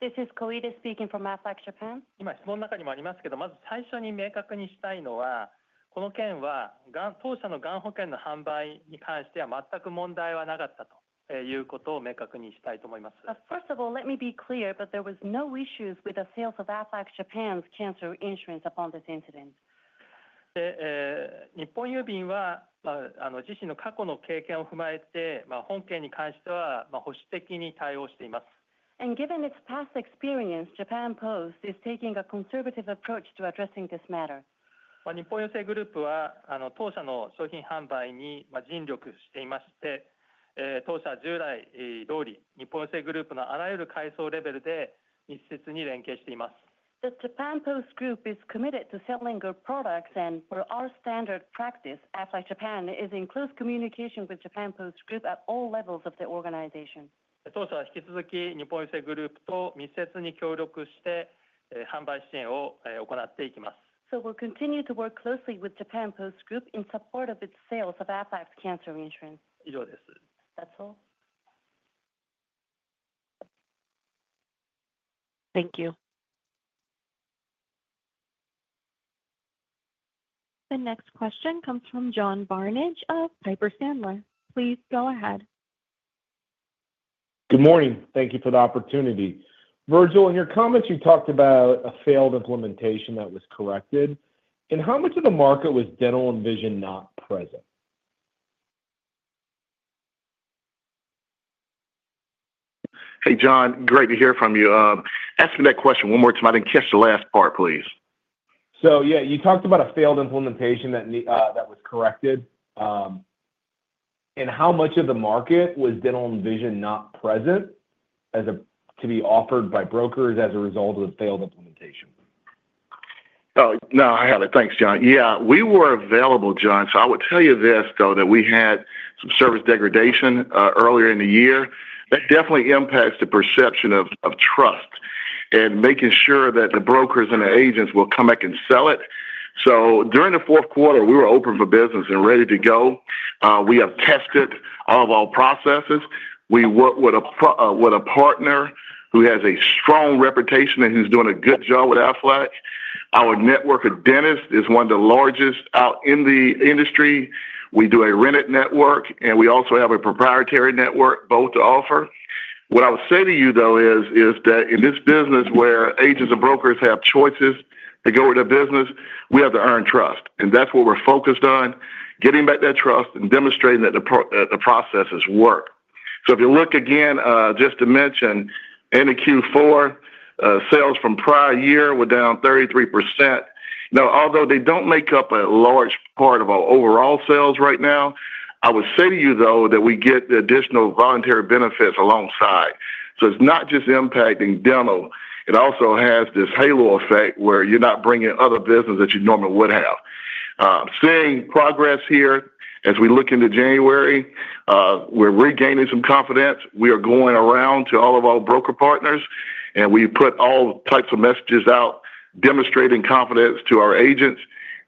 This is Koide speaking from Aflac Japan. 今、質問の中にもありますけど、まず最初に明確にしたいのは、この件は当社のがん保険の販売に関しては全く問題はなかったということを明確にしたいと思います。First of all, let me be clear, but there were no issues with the sales of Aflac Japan's cancer insurance upon this incident. 日豊郵便は自身の過去の経験を踏まえて、本件に関しては保守的に対応しています。Given its past experience, Japan Post is taking a conservative approach to addressing this matter. 日豊郵政グループは当社の商品販売に尽力していまして、当社は従来通り日豊郵政グループのあらゆる階層レベルで密接に連携しています。The Japan Post Group is committed to selling good products, and for our standard practice, Aflac Japan is in close communication with Japan Post Group at all levels of the organization. 当社は引き続き日豊郵政グループと密接に協力して販売支援を行っていきます。We'll continue to work closely with Japan Post Group in support of its sales of Aflac cancer insurance. 以上です。That's all. Thank you. The next question comes from John Barnidge of Piper Sandler. Please go ahead. Good morning. Thank you for the opportunity. Virgil, in your comments, you talked about a failed implementation that was corrected. In how much of the market was dental and vision not present? Hey, John, great to hear from you. Ask me that question one more time. I didn't catch the last part, please. Yeah, you talked about a failed implementation that was corrected. In how much of the market was dental and vision not present to be offered by brokers as a result of the failed implementation? Oh, no, I have it. Thanks, John. Yeah, we were available, John, so I would tell you this, though, that we had some service degradation earlier in the year. That definitely impacts the perception of trust and making sure that the brokers and the agents will come back and sell it, so during the fourth quarter, we were open for business and ready to go. We have tested all of our processes. We work with a partner who has a strong reputation and who's doing a good job with Aflac. Our network of dentists is one of the largest out in the industry. We do a rented network, and we also have a proprietary network both to offer. What I would say to you, though, is that in this business where agents and brokers have choices to go with their business, we have to earn trust. That's what we're focused on, getting back that trust and demonstrating that the processes work. If you look again, just to mention, Q4 sales from prior year were down 33%. Now, although they don't make up a large part of our overall sales right now, I would say to you, though, that we get the additional voluntary benefits alongside. It's not just impacting dental. It also has this halo effect where you're not bringing other business that you normally would have. Seeing progress here as we look into January, we're regaining some confidence. We are going around to all of our broker partners, and we put all types of messages out demonstrating confidence to our agents.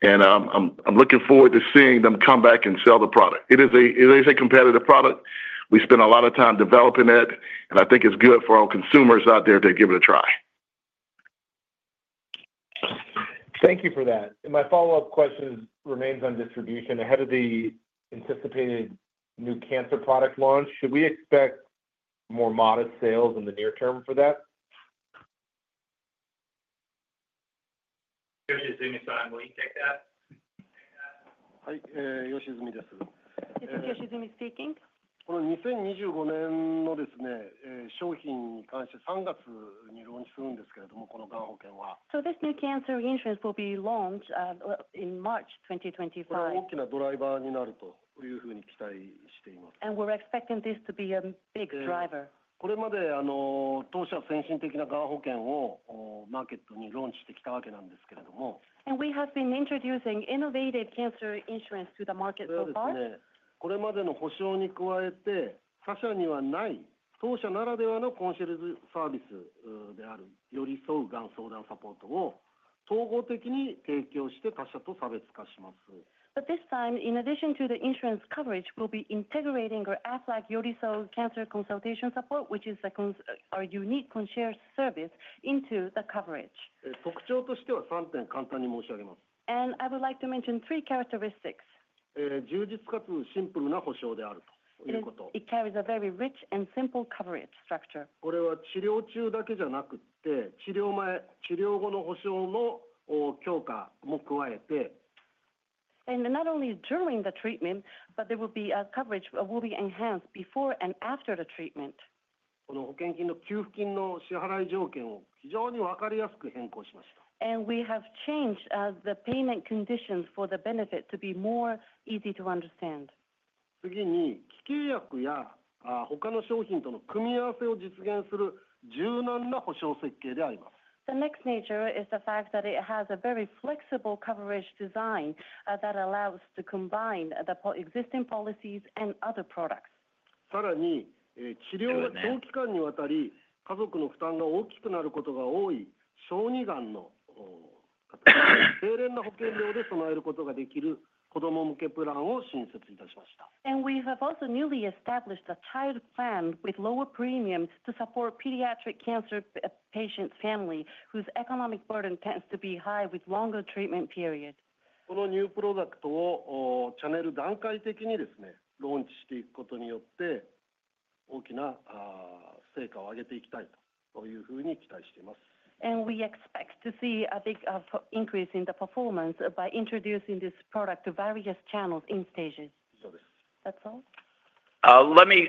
I'm looking forward to seeing them come back and sell the product. It is a competitive product. We spent a lot of time developing it, and I think it's good for our consumers out there to give it a try. Thank you for that, and my follow-up question remains on distribution. Ahead of the anticipated new cancer product launch, should we expect more modest sales in the near term for that? Yoshizumi-san, will you take that? Yoshizumi-Yoshizumi speaking. これは2025年の商品に関して3月にローンチするんですけれども、このがん保険は。This new cancer insurance will be launched in March 2025. これは大きなドライバーになるというふうに期待しています。We're expecting this to be a big driver. これまで当社は先進的ながん保険をマーケットにローンチしてきたわけなんですけれども。We have been introducing innovative cancer insurance to the market so far. これまでの保障に加えて、他社にはない当社ならではのコンシェルジュサービスである寄り添うがん相談サポートを統合的に提供して他社と差別化します。This time, in addition to the insurance coverage, we'll be integrating our Aflac Yorisou cancer consultation support, which is our unique concierge service, into the coverage. 特徴としては3点簡単に申し上げます。I would like to mention three characteristics. 充実かつシンプルな保障であるということ。It carries a very rich and simple coverage structure. これは治療中だけじゃなくって、治療前、治療後の保障の強化も加えて。Not only during the treatment, but there will be a coverage that will be enhanced before and after the treatment. この保険金の給付金の支払い条件を非常に分かりやすく変更しました。We have changed the payment conditions for the benefit to be more easy to understand. 次に、非契約や他の商品との組み合わせを実現する柔軟な保障設計であります。The next major is the fact that it has a very flexible coverage design that allows us to combine the existing policies and other products. さらに、治療が長期間にわたり家族の負担が大きくなることが多い小児がんの方、低廉な保険料で備えることができる子ども向けプランを新設いたしました。We have also newly established a child plan with lower premium to support pediatric cancer patient family whose economic burden tends to be high with longer treatment period. このニュープロダクトをチャネル段階的にローンチしていくことによって、大きな成果を上げていきたいというふうに期待しています。We expect to see a big increase in the performance by introducing this product to various channels in stages. 以上です。That's all. Let me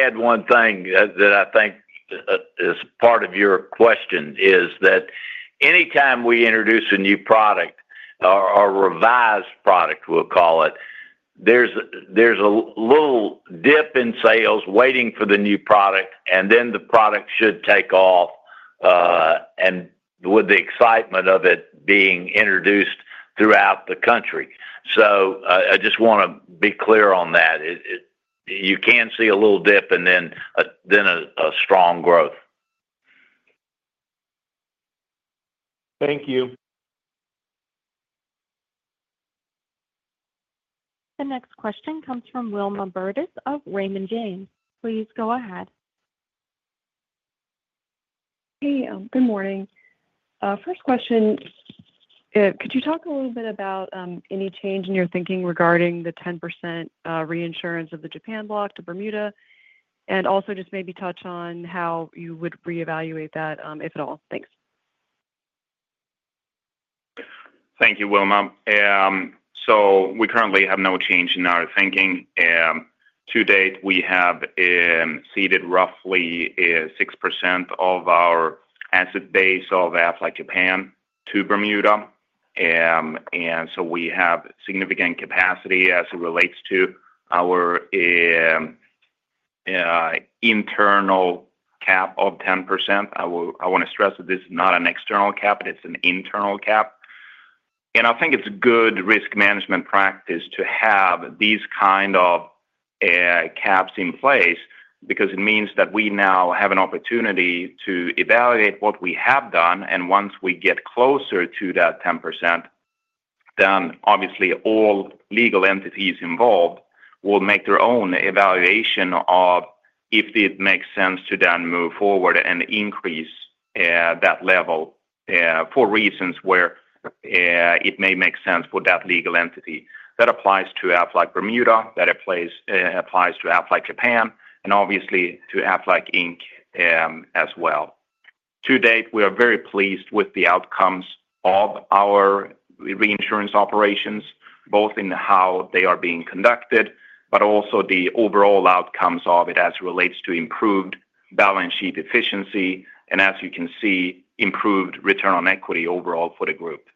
add one thing that I think is part of your question is that anytime we introduce a new product, or revised product, we'll call it, there's a little dip in sales waiting for the new product, and then the product should take off with the excitement of it being introduced throughout the country. So I just want to be clear on that. You can see a little dip and then a strong growth. Thank you. The next question comes from Wilma Burdis of Raymond James. Please go ahead. Hey, good morning. First question, could you talk a little bit about any change in your thinking regarding the 10% reinsurance of the Japan block to Bermuda, and also just maybe touch on how you would reevaluate that, if at all? Thanks. Thank you, Will. We currently have no change in our thinking. To date, we have ceded roughly 6% of our asset base of Aflac Japan to Bermuda. We have significant capacity as it relates to our internal cap of 10%. I want to stress that this is not an external cap, but it's an internal cap. I think it's a good risk management practice to have these kind of caps in place because it means that we now have an opportunity to evaluate what we have done. Once we get closer to that 10%, then obviously all legal entities involved will make their own evaluation of if it makes sense to then move forward and increase that level for reasons where it may make sense for that legal entity. That applies to Aflac Bermuda, that applies to Aflac Japan, and obviously to Aflac Inc as well. To date, we are very pleased with the outcomes of our reinsurance operations, both in how they are being conducted, but also the overall outcomes of it as it relates to improved balance sheet efficiency, and as you can see, improved return on equity overall for the group,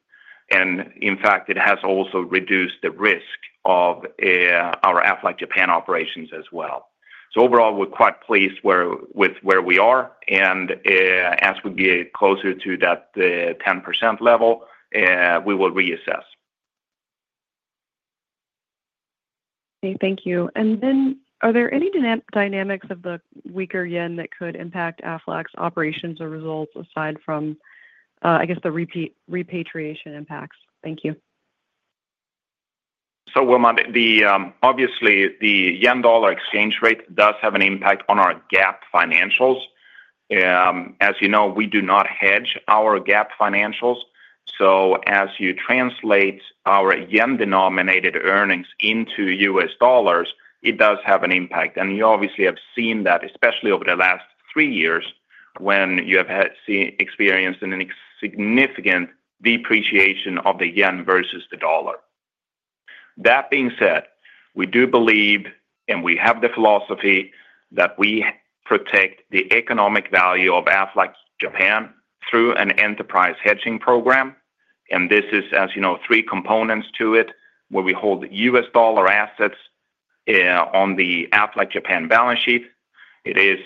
and in fact, it has also reduced the risk of our Aflac Japan operations as well, so overall, we're quite pleased with where we are, and as we get closer to that 10% level, we will reassess. Okay, thank you. And then are there any dynamics of the weaker yen that could impact Aflac's operations or results aside from, I guess, the repatriation impacts? Thank you. So Will, obviously, the yen-dollar exchange rate does have an impact on our GAAP financials. As you know, we do not hedge our GAAP financials. So as you translate our yen-denominated earnings into U.S. dollars, it does have an impact. And you obviously have seen that, especially over the last three years when you have experienced a significant depreciation of the yen versus the dollar. That being said, we do believe, and we have the philosophy that we protect the economic value of Aflac Japan through an enterprise hedging program. And this is, as you know, three components to it where we hold U.S. dollar assets on the Aflac Japan balance sheet. It is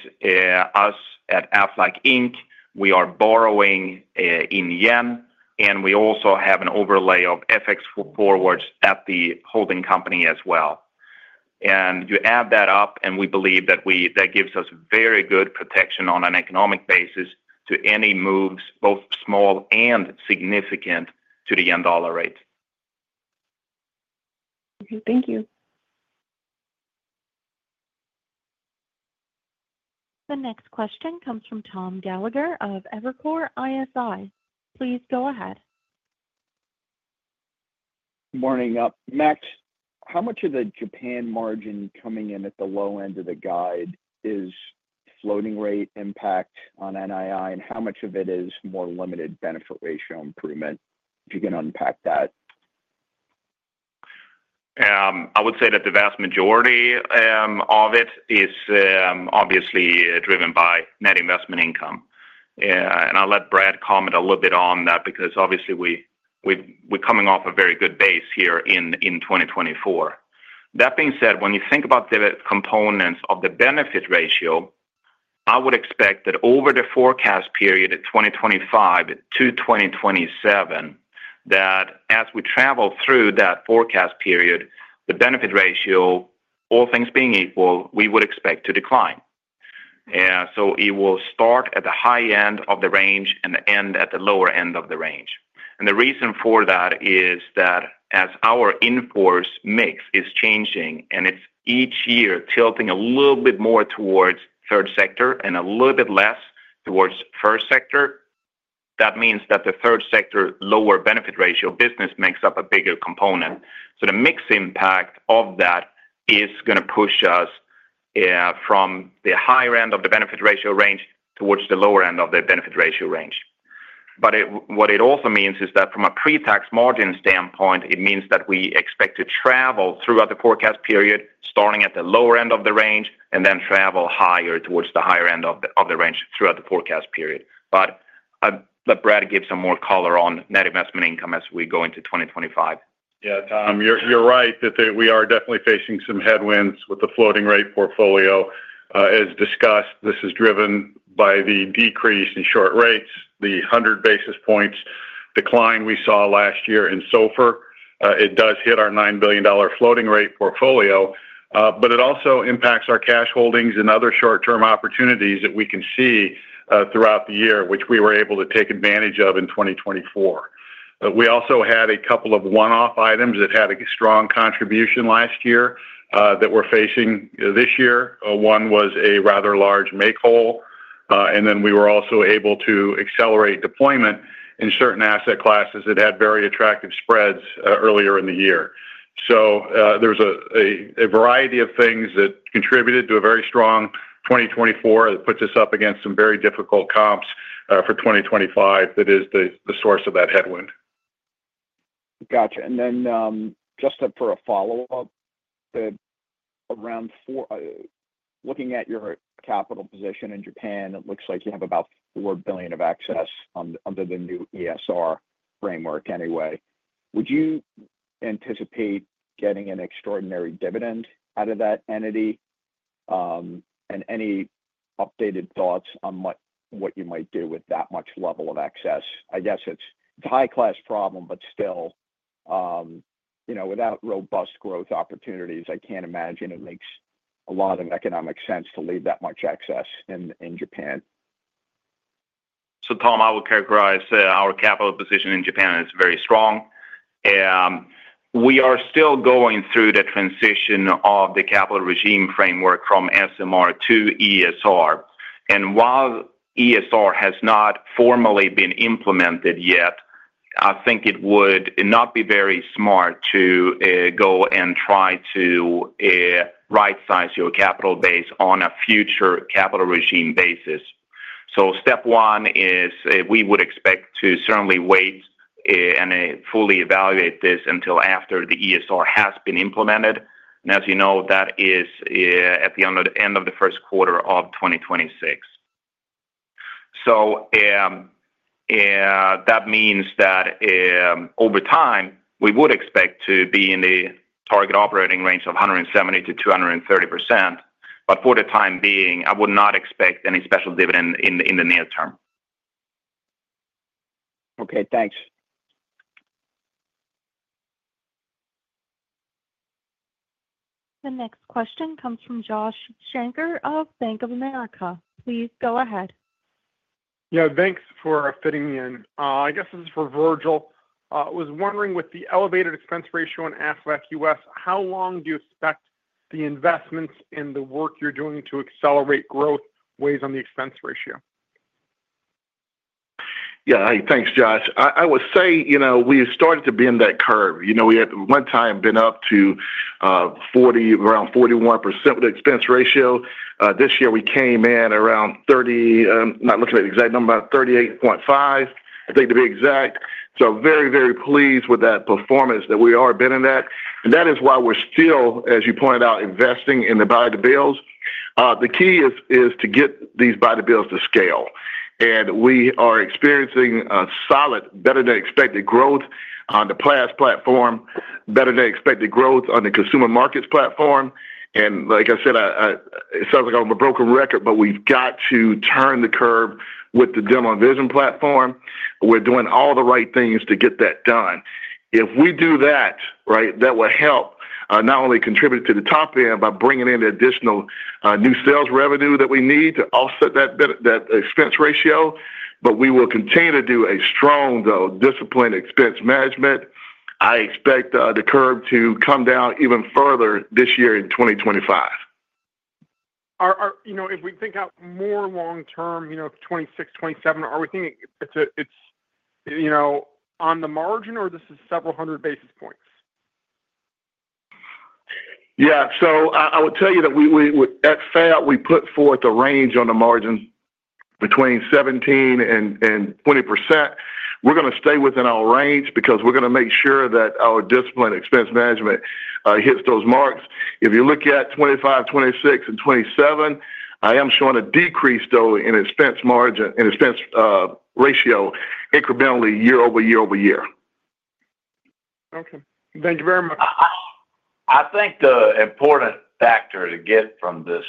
us at Aflac Inc. We are borrowing in yen, and we also have an overlay of FX forwards at the holding company as well. You add that up, and we believe that gives us very good protection on an economic basis to any moves, both small and significant, to the yen-dollar rate. Okay, thank you. The next question comes from Tom Gallagher of Evercore ISI. Please go ahead. Morning. Max, how much of the Japan margin coming in at the low end of the guide is floating rate impact on NII, and how much of it is more limited benefit ratio improvement if you can unpack that? I would say that the vast majority of it is obviously driven by net investment income. And I'll let Brad comment a little bit on that because obviously we're coming off a very good base here in 2024. That being said, when you think about the components of the benefit ratio, I would expect that over the forecast period of 2025 to 2027, that as we travel through that forecast period, the benefit ratio, all things being equal, we would expect to decline. So it will start at the high end of the range and end at the lower end of the range. The reason for that is that as our in force mix is changing and it's each year tilting a little bit more towards Japan sector and a little bit less towards U.S. sector, that means that the Japan sector lower benefit ratio business makes up a bigger component. The mix impact of that is going to push us from the higher end of the benefit ratio range towards the lower end of the benefit ratio range. What it also means is that from a pre-tax margin standpoint, it means that we expect to travel throughout the forecast period starting at the lower end of the range and then travel higher towards the higher end of the range throughout the forecast period. Let Brad give some more color on net investment income as we go into 2025. Yeah, Tom, you're right that we are definitely facing some headwinds with the floating rate portfolio. As discussed, this is driven by the decrease in short rates, the 100 basis points decline we saw last year in SOFR. It does hit our $9 billion floating rate portfolio, but it also impacts our cash holdings and other short-term opportunities that we can see throughout the year, which we were able to take advantage of in 2024. We also had a couple of one-off items that had a strong contribution last year that we're facing this year. One was a rather large make-whole, and then we were also able to accelerate deployment in certain asset classes that had very attractive spreads earlier in the year. So there was a variety of things that contributed to a very strong 2024 that puts us up against some very difficult comps for 2025 that is the source of that headwind. Gotcha. And then just for a follow-up, looking at your capital position in Japan, it looks like you have about 4 billion of excess under the new ESR framework anyway. Would you anticipate getting an extraordinary dividend out of that entity? And any updated thoughts on what you might do with that much level of excess? I guess it's a high-class problem, but still, without robust growth opportunities, I can't imagine it makes a lot of economic sense to leave that much excess in Japan. Tom, I would characterize our capital position in Japan as very strong. We are still going through the transition of the capital regime framework from SMR to ESR. While ESR has not formally been implemented yet, I think it would not be very smart to go and try to right-size your capital base on a future capital regime basis. Step one is we would expect to certainly wait and fully evaluate this until after the ESR has been implemented. As you know, that is at the end of the first quarter of 2026. That means that over time, we would expect to be in the target operating range of 170%-230%. For the time being, I would not expect any special dividend in the near term. Okay, thanks. The next question comes from Josh Shanker of Bank of America. Please go ahead. Yeah, thanks for fitting in. I guess this is for Virgil. I was wondering with the elevated expense ratio in Aflac U.S., how long do you expect the investments in the work you're doing to accelerate growth weighs on the expense ratio? Yeah, thanks, Josh. I would say we've started to be in that curve. We had one time been up to around 41% with the expense ratio. This year, we came in around 30%, not looking at the exact number, about 38.5%, I think to be exact. So very, very pleased with that performance that we are been in that. And that is why we're still, as you pointed out, investing in the buy-to-builds. The key is to get these buy-to-builds to scale. And we are experiencing a solid, better than expected growth on the PLADS platform, better than expected growth on the consumer markets platform. And like I said, it sounds like I'm a broken record, but we've got to turn the curve with the Dental and Vision platform. We're doing all the right things to get that done. If we do that, right, that will help not only contribute to the top end by bringing in additional new sales revenue that we need to offset that expense ratio, but we will continue to do a strong, though disciplined expense management. I expect the curve to come down even further this year in 2025. If we think out more long term, 2026, 2027, are we thinking it's on the margin or this is several hundred basis points? Yeah, so I would tell you that at Aflac, we put forth a range on the margin between 17%-20%. We're going to stay within our range because we're going to make sure that our disciplined expense management hits those marks. If you look at 25, 26, and 27, I am showing a decrease though in expense margin, in expense ratio incrementally year over year over year. Okay. Thank you very much. I think the important factor to get from this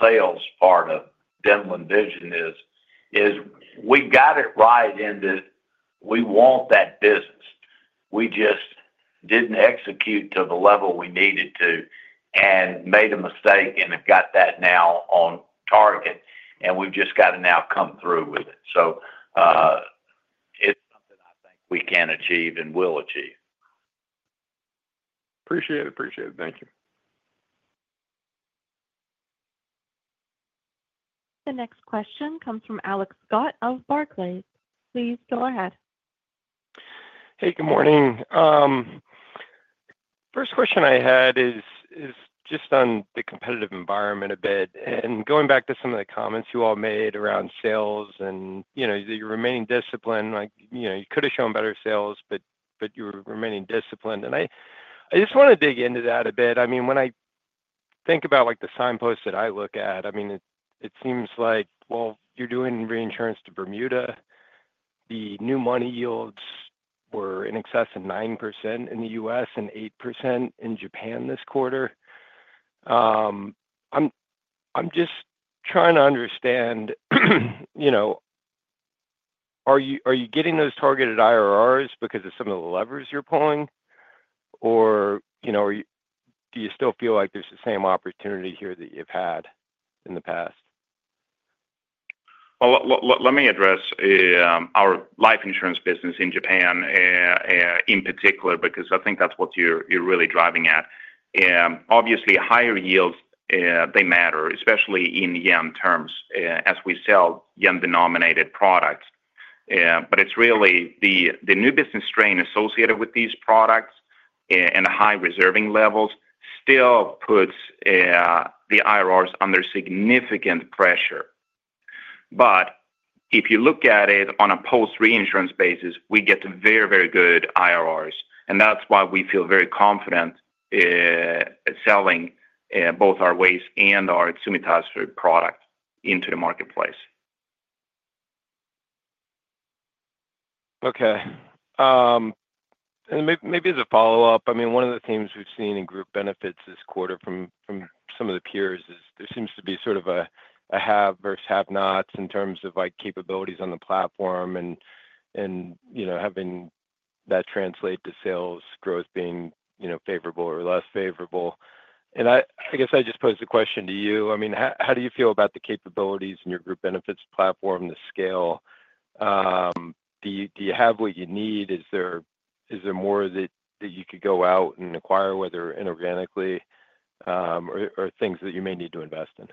sales part of Dental and Vision is we got it right and we want that business. We just didn't execute to the level we needed to and made a mistake and have got that now on target, and we've just got to now come through with it, so it's something I think we can achieve and will achieve. Appreciate it. Appreciate it. Thank you. The next question comes from Alex Scott of Barclays. Please go ahead. Hey, good morning. First question I had is just on the competitive environment a bit, and going back to some of the comments you all made around sales and your remaining discipline, you could have shown better sales, but you were remaining disciplined, and I just want to dig into that a bit. I mean, when I think about the signposts that I look at, I mean, it seems like, well, you're doing reinsurance to Bermuda. The new money yields were in excess of 9% in the U.S. and 8% in Japan this quarter. I'm just trying to understand, are you getting those targeted IRRs because of some of the levers you're pulling, or do you still feel like there's the same opportunity here that you've had in the past? Let me address our life insurance business in Japan in particular because I think that's what you're really driving at. Obviously, higher yields, they matter, especially in yen terms as we sell yen-denominated products. But it's really the new business strain associated with these products and the high reserving levels still puts the IRRs under significant pressure. But if you look at it on a post-reinsurance basis, we get very, very good IRRs. And that's why we feel very confident selling both our WAYS and our Tsumitasu product into the marketplace. Okay. And maybe as a follow-up, I mean, one of the themes we've seen in group benefits this quarter from some of the peers is, there seems to be sort of a have versus have nots in terms of capabilities on the platform and having that translate to sales growth being favorable or less favorable. And I guess I just pose the question to you. I mean, how do you feel about the capabilities in your group benefits platform, the scale? Do you have what you need? Is there more that you could go out and acquire, whether inorganically or things that you may need to invest in?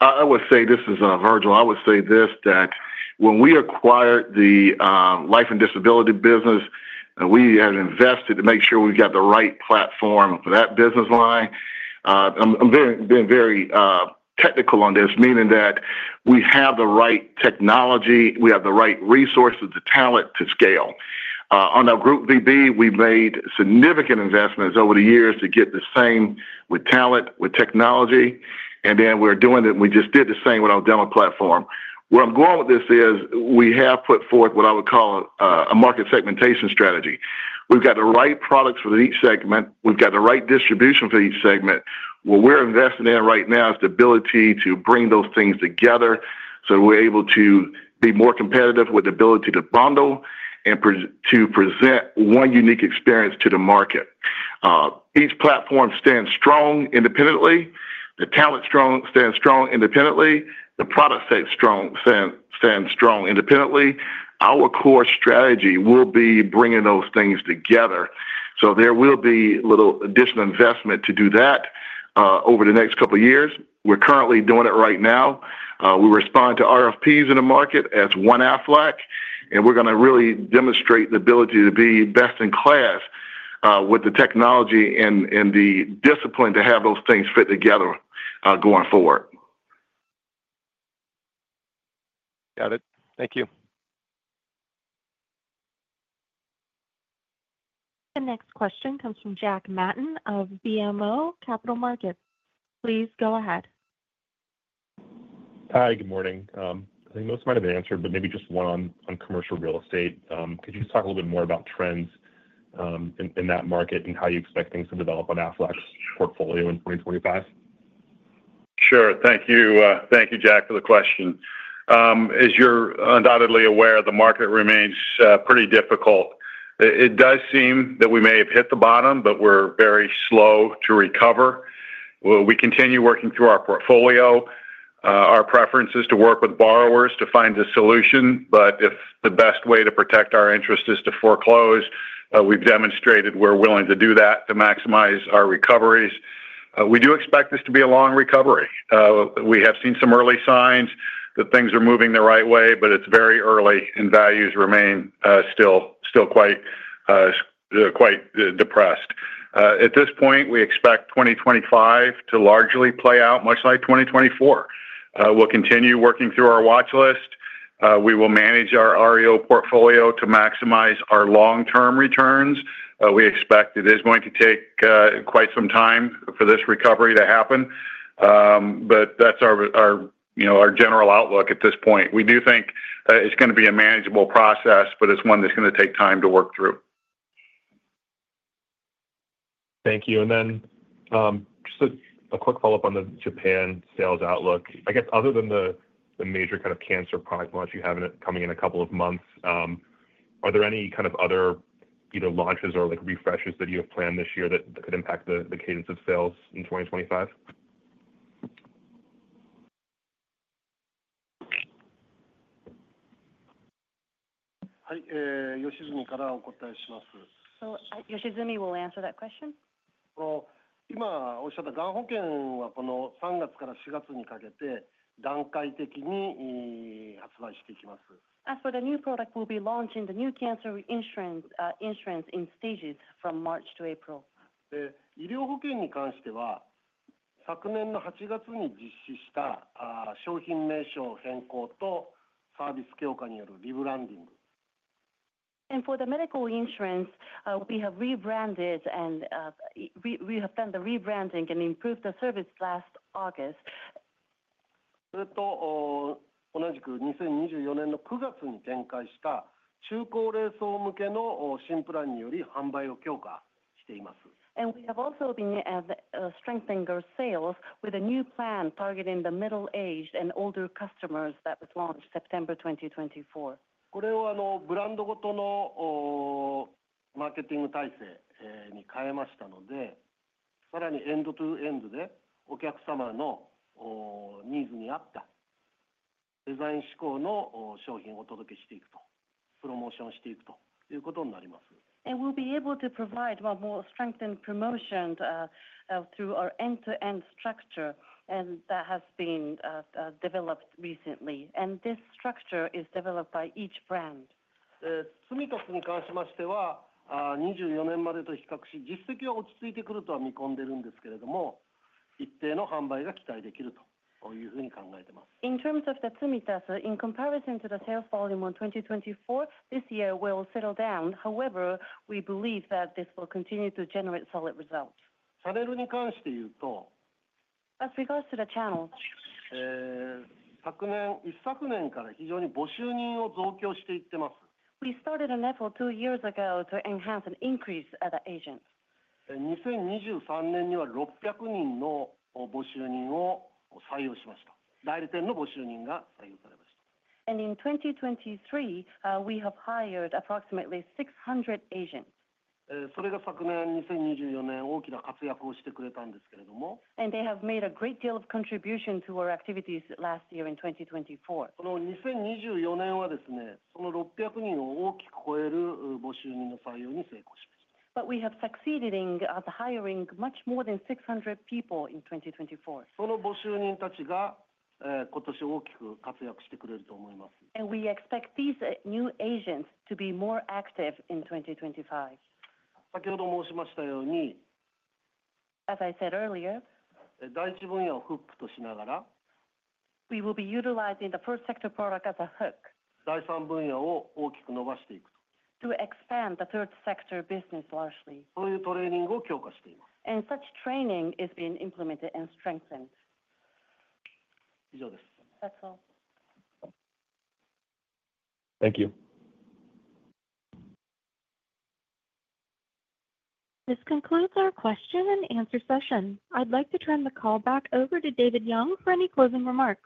I would say this is Virgil. I would say this: that when we acquired the life and disability business, we had invested to make sure we got the right platform for that business line. I'm being very technical on this, meaning that we have the right technology, we have the right resources to talent to scale. On our group VB, we've made significant investments over the years to get the same with talent, with technology, and then we're doing it, and we just did the same with our dental platform. Where I'm going with this is we have put forth what I would call a market segmentation strategy. We've got the right products for each segment. We've got the right distribution for each segment. What we're investing in right now is the ability to bring those things together so we're able to be more competitive with the ability to bundle and to present one unique experience to the market. Each platform stands strong independently. The talent stands strong independently. The product stands strong independently. Our core strategy will be bringing those things together. So there will be little additional investment to do that over the next couple of years. We're currently doing it right now. We respond to RFPs in the market as one Aflac, and we're going to really demonstrate the ability to be best in class with the technology and the discipline to have those things fit together going forward. Got it. Thank you. The next question comes from Jack Matten of BMO Capital Markets. Please go ahead. Hi, good morning. I think most of mine have been answered, but maybe just one on commercial real estate. Could you just talk a little bit more about trends in that market and how you expect things to develop on Aflac's portfolio in 2025? Sure. Thank you. Thank you, Jack, for the question. As you're undoubtedly aware, the market remains pretty difficult. It does seem that we may have hit the bottom, but we're very slow to recover. We continue working through our portfolio. Our preference is to work with borrowers to find a solution, but if the best way to protect our interest is to foreclose, we've demonstrated we're willing to do that to maximize our recoveries. We do expect this to be a long recovery. We have seen some early signs that things are moving the right way, but it's very early and values remain still quite depressed. At this point, we expect 2025 to largely play out much like 2024. We'll continue working through our watch list. We will manage our REO portfolio to maximize our long-term returns. We expect it is going to take quite some time for this recovery to happen, but that's our general outlook at this point. We do think it's going to be a manageable process, but it's one that's going to take time to work through. Thank you. And then just a quick follow-up on the Japan sales outlook. I guess other than the major kind of cancer product launch you have coming in a couple of months, are there any kind of other either launches or refreshes that you have planned this year that could impact the cadence of sales in 2025? はい、吉住からお答えします。So Yoshizumi will answer that question. 今おっしゃったがん保険はこの3月から4月にかけて段階的に発売していきます。For the new product, we'll be launching the new cancer insurance in stages from March to April. 医療保険に関しては昨年の8月に実施した商品名称変更とサービス強化によるリブランディング。For the medical insurance, we have rebranded and improved the service last August. それと同じく2024年の9月に展開した中高齢層向けの新プランにより販売を強化しています。We have also been strengthening our sales with a new plan targeting the middle-aged and older customers that was launched September 2024. これをブランドごとのマーケティング体制に変えましたので、さらにエンドツーエンドでお客様のニーズに合ったデザイン思考の商品をお届けしていくとプロモーションしていくということになります。We'll be able to provide more strengthened promotions through our end-to-end structure that has been developed recently. This structure is developed by each brand. ツミタスに関しましては24年までと比較し実績は落ち着いてくるとは見込んでいるんですけれども、一定の販売が期待できるというふうに考えてます。In terms of the Tsumitas, in comparison to the sales volume of 2024, this year will settle down. However, we believe that this will continue to generate solid results. チャネルに関して言うと。As regards to the channel. 昨年一昨年から非常に募集人を増強していってます。We started an effort two years ago to enhance and increase the agents. 2023年には600人の募集人を採用しました。代理店の募集人が採用されました。In 2023, we have hired approximately 600 agents. それが昨年2024年大きな活躍をしてくれたんですけれども。They have made a great deal of contribution to our activities last year in 2024. その2024年はですね、その600人を大きく超える募集人の採用に成功しました。But we have succeeded in hiring much more than 600 people in 2024. その募集人たちが今年大きく活躍してくれると思います。We expect these new agents to be more active in 2025. 先ほど申しましたように。As I said earlier. 第一分野をフックとしながら。We will be utilizing the first sector product as a hook. 第三分野を大きく伸ばしていくと。To expand the third sector business largely. そういうトレーニングを強化しています。Such training is being implemented and strengthened. 以上です。That's all. Thank you. This concludes our question and answer session. I'd like to turn the call back over to David Young for any closing remarks.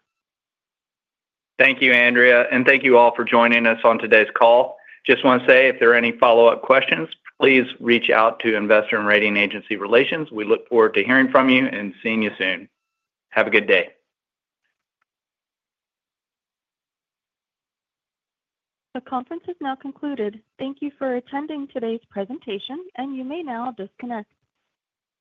Thank you, Andrea, and thank you all for joining us on today's call. Just want to say, if there are any follow-up questions, please reach out to Investor and Rating Agency Relations. We look forward to hearing from you and seeing you soon. Have a good day. The conference has now concluded. Thank you for attending today's presentation, and you may now disconnect.